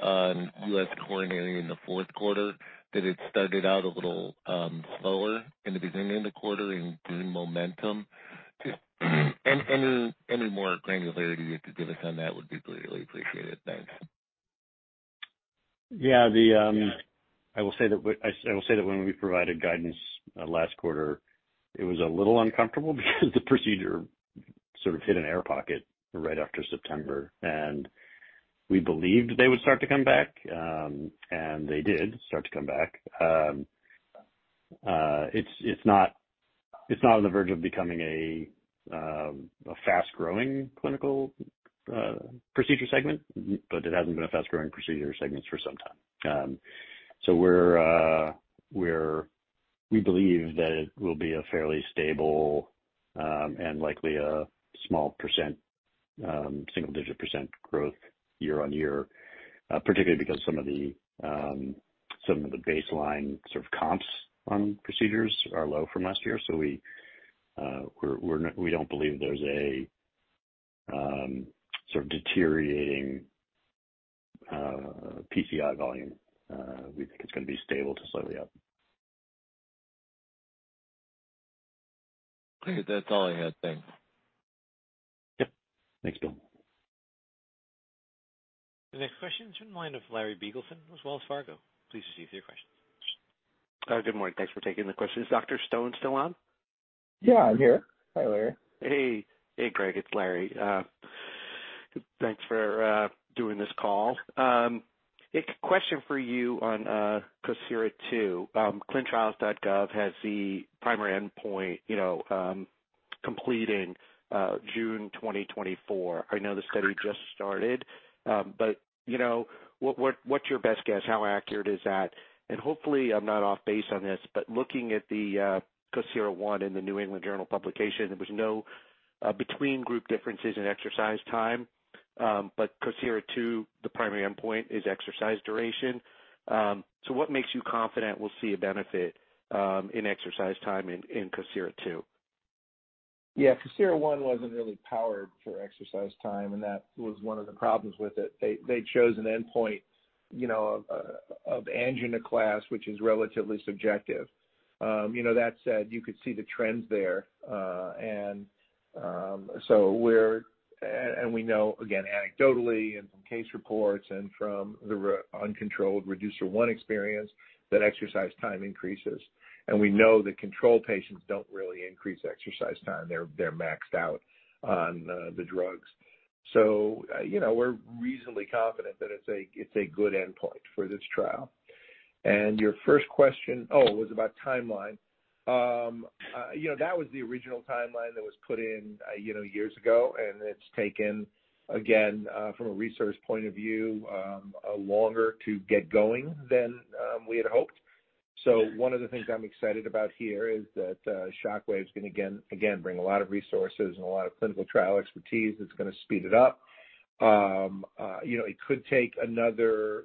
on US coronary in the fourth quarter, that it started out a little slower in the beginning of the quarter and gained momentum. Just any more granularity you could give us on that would be greatly appreciated. Thanks. Yeah. Yeah. I will say that when we provided guidance last quarter, it was a little uncomfortable because the procedure sort of hit an air pocket right after September. We believed they would start to come back, and they did start to come back. It's not on the verge of becoming a fast-growing clinical procedure segment, but it hasn't been a fast-growing procedure segment for some time. We're, we believe that it will be a fairly stable and likely a small %, single-digit % growth year on year, particularly because some of the baseline sort of comps on procedures are low from last year. We don't believe there's a sort of deteriorating PCI volume. We think it's gonna be stable to slightly up. Okay. That's all I had. Thanks. Yep. Thanks, Bill. The next question is from the line of Larry Biegelsen with Wells Fargo. Please proceed with your question. Good morning. Thanks for taking the question. Is Dr. Stone still on? Yeah, I'm here. Hi, Larry. Hey. Hey, Gregg. It's Larry. Thanks for doing this call. A question for you on COSIRA-II. ClinicalTrials.gov has the primary endpoint completing June 2024. I know the study just started, you know, but what's your best guess, how accurate is that? Hopefully I'm not off base on this, but looking at the COSIRA-I in the New England Journal publication, there was no between group differences in exercise time, but COSIRA-II, the primary endpoint is exercise duration. What makes you confident we'll see a benefit in exercise time in COSIRA-II? Yeah. COSIRA-I wasn't really powered for exercise time, and that was one of the problems with it. They chose an endpoint, you know, of angina class, which is relatively subjective. You know, that said, you could see the trends there. We know, again, anecdotally and from case reports and from the uncontrolled REDUCER-I experience, that exercise time increases. We know that control patients don't really increase exercise time. They're maxed out on the drugs. You know, we're reasonably confident that it's a good endpoint for this trial. Your first question was about timeline. You know, that was the original timeline that was put in years ago, and it's taken, again, from a research point of view, longer to get going than we had hoped. Yeah. One of the things I'm excited about here is that Shockwave is gonna again bring a lot of resources and a lot of clinical trial expertise that's gonna speed it up. You know, it could take another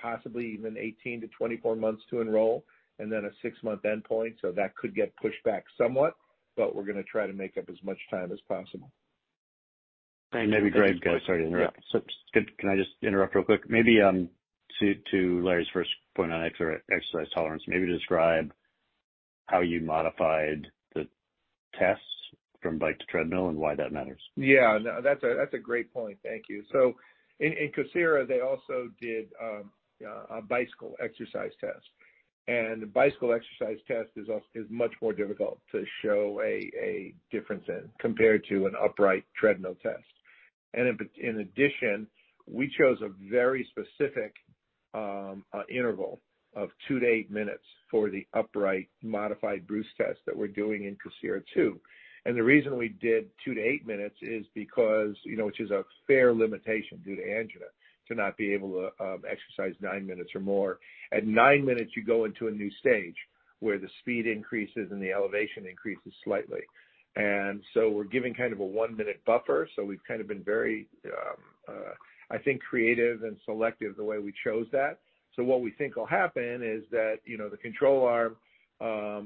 possibly even 18-24 months to enroll and then a six-month endpoint. That could get pushed back somewhat, but we're gonna try to make up as much time as possible. Great. Maybe, Gregg, sorry to interrupt. Yeah. Can I just interrupt real quick? Maybe to Larry's first point on exercise tolerance, maybe describe how you modified the tests from bike to treadmill and why that matters. Yeah. No, that's a great point. Thank you. In COSIRA, they also did a bicycle exercise test. The bicycle exercise test is much more difficult to show a difference in compared to an upright treadmill test. In addition, we chose a very specific interval of 2-8 minutes for the upright modified Bruce protocol that we're doing in COSIRA-II. The reason we did 2-8 minutes is because, you know, which is a fair limitation due to angina, to not be able to exercise 9 minutes or more. At 9 minutes, you go into a new stage where the speed increases and the elevation increases slightly. We're giving kind of a one-minute buffer. We've kind of been very creative and selective the way we chose that. What we think will happen is that, you know, the control arm, you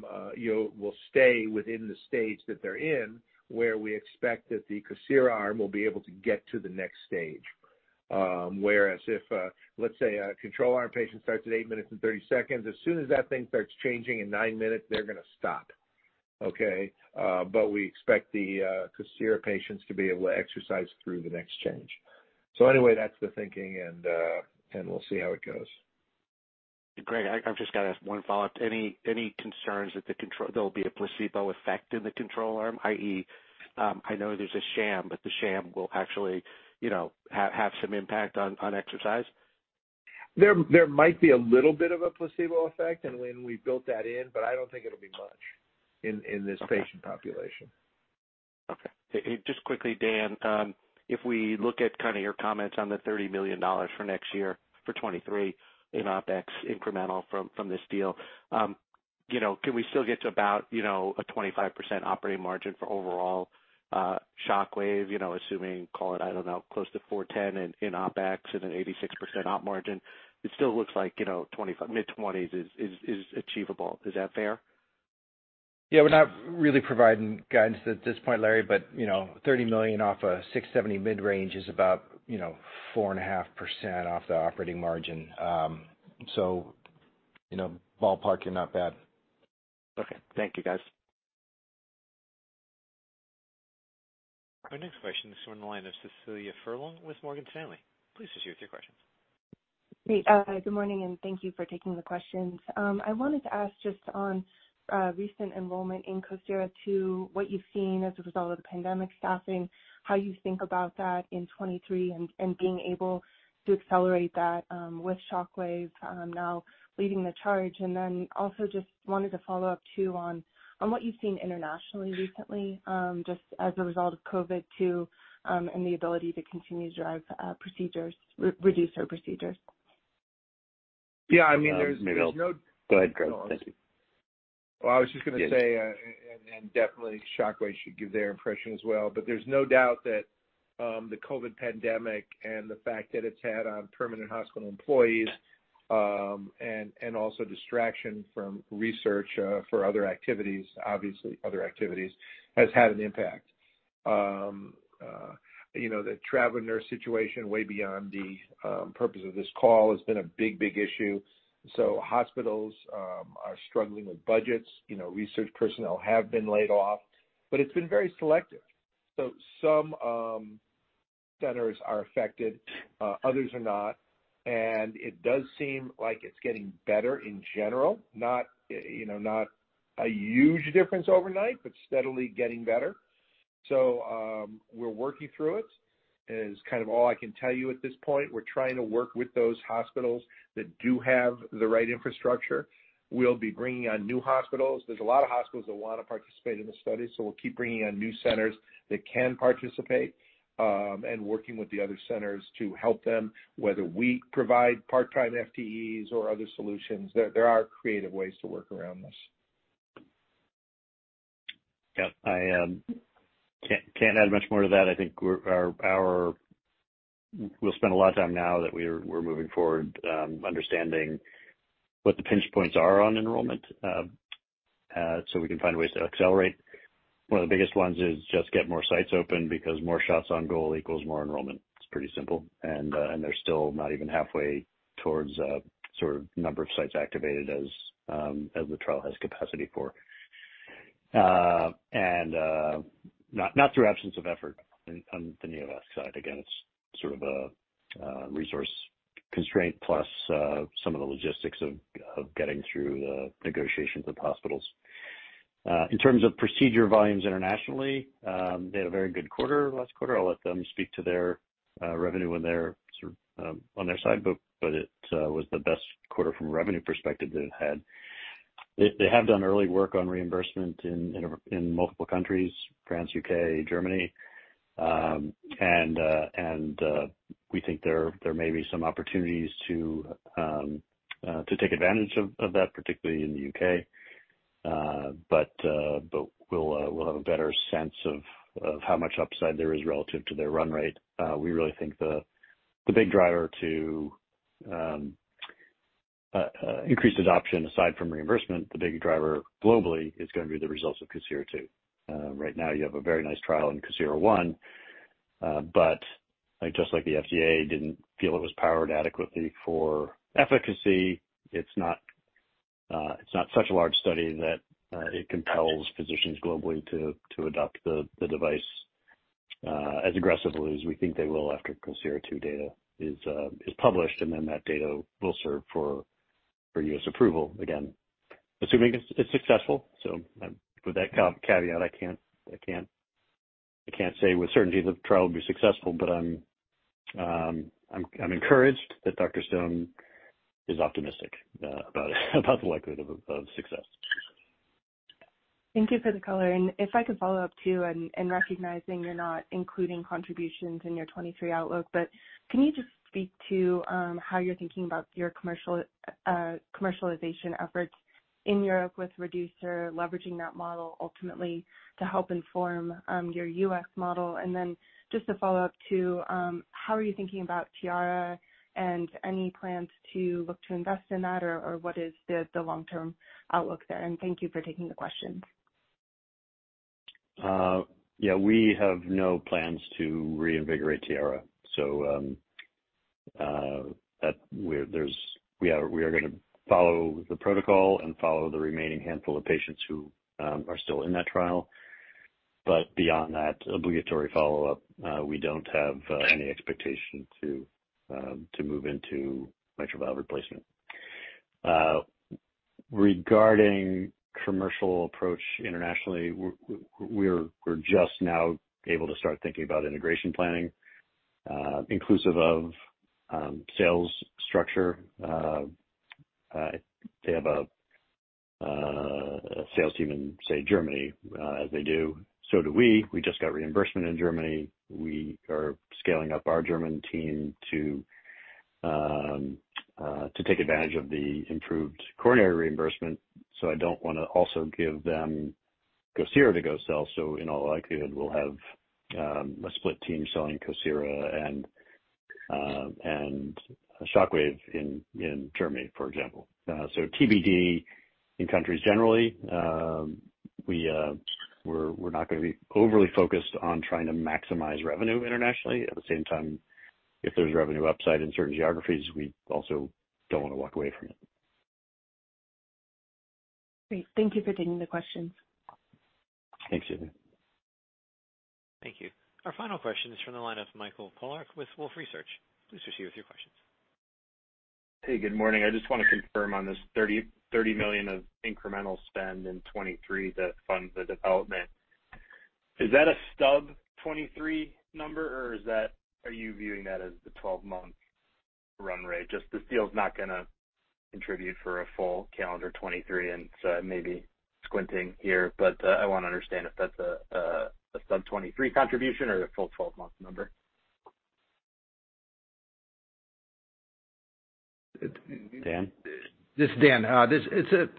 know, will stay within the stage that they're in, where we expect that the Reducer arm will be able to get to the next stage. Whereas if, let's say, a control arm patient starts at 8 minutes and 30 seconds, as soon as that thing starts changing in 9 minutes, they're gonna stop. Okay? We expect the Reducer patients to be able to exercise through the next change. That's the thinking, and we'll see how it goes. Gregg, I just got to ask one follow-up. Any concerns that the control, there'll be a placebo effect in the control arm, i.e., I know there's a sham, but the sham will actually, you know, have some impact on exercise? There might be a little bit of a placebo effect, and we built that in, but I don't think it'll be much in this patient population. Okay. Just quickly, Dan, if we look at kind of your comments on the $30 million for next year for 2023 in OpEx incremental from this deal, you know, can we still get to about, you know, a 25% operating margin for overall, Shockwave? You know, assuming, call it, I don't know, close to $410 million in OpEx and an 86% op margin. It still looks like, you know, mid-20s is achievable. Is that fair? Yeah. We're not really providing guidance at this point, Larry, but you know, $30 million off a $670 million mid-range is about, you know, 4.5% off the operating margin. You know, ballparking, not bad. Okay. Thank you, guys. Our next question is from the line of Cecilia Furlong with Morgan Stanley. Please proceed with your questions. Great. Good morning, and thank you for taking the questions. I wanted to ask just on recent enrollment in, what you've seen as a result of the pandemic staffing, how you think about that in 2023 and being able to accelerate that with Shockwave now leading the charge. I also just wanted to follow up too on what you've seen internationally recently, just as a result of COVID too, and the ability to continue to drive procedures, reduce our procedures. Yeah. I mean, there's no— Maybe I'll— Go ahead, Gregg. Thank you. Well, I was just gonna say, and definitely Shockwave should give their impression as well. There's no doubt that the COVID pandemic and the fact that it's had on permanent hospital employees, and also distraction from research for other activities, obviously other activities, has had an impact. You know, the travel nurse situation way beyond the purpose of this call has been a big, big issue. Hospitals are struggling with budgets. You know, research personnel have been laid off, but it's been very selective. Some centers are affected, others are not. It does seem like it's getting better in general, not, you know, not a huge difference overnight, but steadily getting better. We're working through it, is kind of all I can tell you at this point. We're trying to work with those hospitals that do have the right infrastructure. We'll be bringing on new hospitals. There's a lot of hospitals that wanna participate in this study, we'll keep bringing on new centers that can participate, and working with the other centers to help them, whether we provide part-time FTEs or other solutions. There are creative ways to work around this. Yeah. I can't add much more to that. I think we're spending a lot of time now that we're moving forward, understanding what the pinch points are on enrollment, so we can find ways to accelerate. One of the biggest ones is just get more sites open because more shots on goal equals more enrollment. It's pretty simple. They're still not even halfway towards the number of sites activated as the trial has capacity for. Not through absence of effort on the Neovasc side. Again, it's sort of a resource constraint plus some of the logistics of getting through the negotiations with hospitals. In terms of procedure volumes internationally, they had a very good quarter last quarter. I'll let them speak to their revenue on their sort of, on their side, but it was the best quarter from a revenue perspective that it had. They have done early work on reimbursement in multiple countries, France, U.K., Germany. We think there may be some opportunities to take advantage of that, particularly in the U.K. We'll have a better sense of how much upside there is relative to their run rate. We really think the big driver to increased adoption aside from reimbursement, the big driver globally is gonna be the results of COSIRA-II. Right now you have a very nice trial in COSIRA I, but just like the FDA didn't feel it was powered adequately for efficacy, it's not such a large study that it compels physicians globally to adopt the device as aggressively as we think they will after COSIRA II data is published, and that data will serve for U.S. approval, again, assuming it's successful. With that caveat, I can't say with certainty the trial will be successful, but I'm encouraged that Dr. Stone is optimistic about the likelihood of success. Thank you for the color. If I could follow up too, recognizing you're not including contributions in your 2023 outlook, can you just speak to how you're thinking about your commercial, commercialization efforts in Europe with Reducer, leveraging that model ultimately to help inform your U.S. model. Just to follow up, how are you thinking about Tiara and any plans to look to invest in that, or what is the long-term outlook there. Thank you for taking the questions. We have no plans to reinvigorate Tiara. That, we're, there's, we are going to follow the protocol and follow the remaining handful of patients who are still in that trial. Beyond that obligatory follow-up, we don't have any expectation to move into mitral valve replacement. Regarding commercial approach internationally, we're just now able to start thinking about integration planning, inclusive of sales structure. They have a sales team in, say, Germany, as they do, so do we. We just got reimbursement in Germany. We are scaling up our German team to take advantage of the improved coronary reimbursement. I don't want to also give them Reducer to go sell. In all likelihood, we'll have a split team selling Reducer and Shockwave in Germany, for example. TBD in countries generally. We are not gonna be overly focused on trying to maximize revenue internationally. At the same time, if there's revenue upside in certain geographies, we also don't wanna walk away from it. Great. Thank you for taking the questions. Thanks, Cecilia. Thank you. Our final question is from the line of Mike Polark with Wolfe Research. Please proceed with your questions. Hey, good morning. I just wanna confirm on this $30 million of incremental spend in 2023 that funds the development. Is that a stub 2023 number, or are you viewing that as the 12-month run rate? The deal's not gonna contribute for a full calendar 2023, and I may be squinting here. I wanna understand if that's a stub 2023 contribution or a full 12-month number. Dan? This is Dan. It's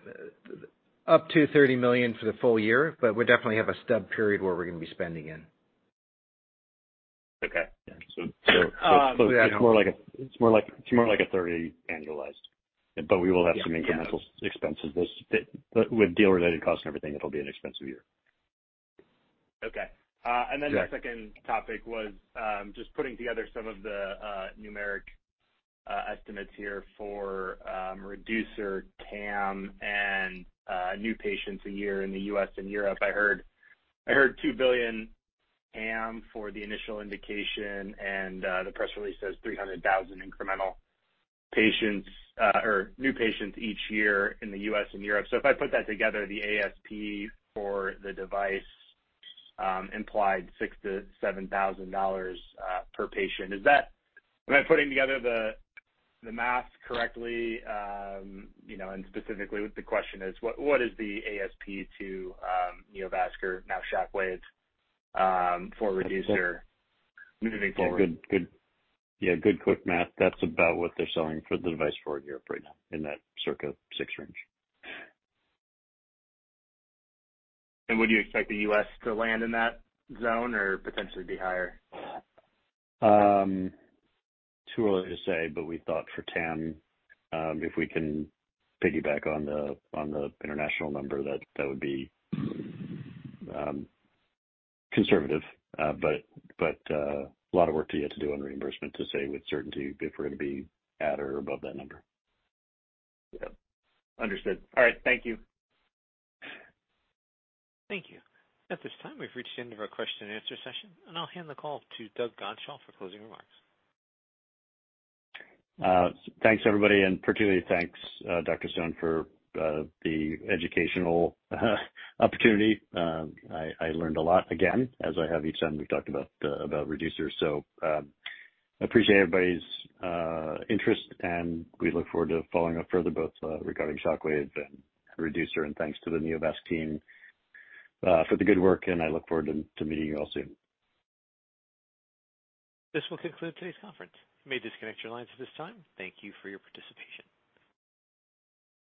up to $30 million for the full year, but we definitely have a stub period where we're gonna be spending in. Okay. Yeah. It's more like a 30 annualized, but we will have some incremental expenses. With deal-related costs and everything, it'll be an expensive year. Okay. Yeah. The second topic was just putting together some of the numeric estimates here for Reducer TAM and new patients a year in the U.S. and Europe. I heard $2 billion TAM for the initial indication, and the press release says 300,000 incremental patients or new patients each year in the U.S. and Europe. If I put that together, the ASP for the device implied $6,000-$7,000 per patient. Is that— Am I putting together the math correctly? Specifically, the question is what is the ASP to Neovasc, now Shockwave, for Reducer moving forward? Good. Good. Yeah, good quick math. That's about what they're selling for the device for Europe right now, in that circa $6,000 range. Would you expect the U.S. to land in that zone or potentially be higher? Too early to say, we thought for TAM, if we can piggyback on the international number, that would be conservative. A lot of work yet to do on reimbursement to say with certainty if we're gonna be at or above that number. Yep. Understood. All right. Thank you. Thank you. At this time, we've reached the end of our question and answer session, and I'll hand the call to Doug Godshall for closing remarks. Thanks everybody, and particularly thanks, Dr. Stone for the educational opportunity. I learned a lot again, as I have each time we've talked about Reducer. Appreciate everybody's interest, and we look forward to following up further both regarding Shockwave and Reducer. Thanks to the Neovasc team for the good work, and I look forward to meeting you all soon. This will conclude today's conference. You may disconnect your lines at this time. Thank you for your participation.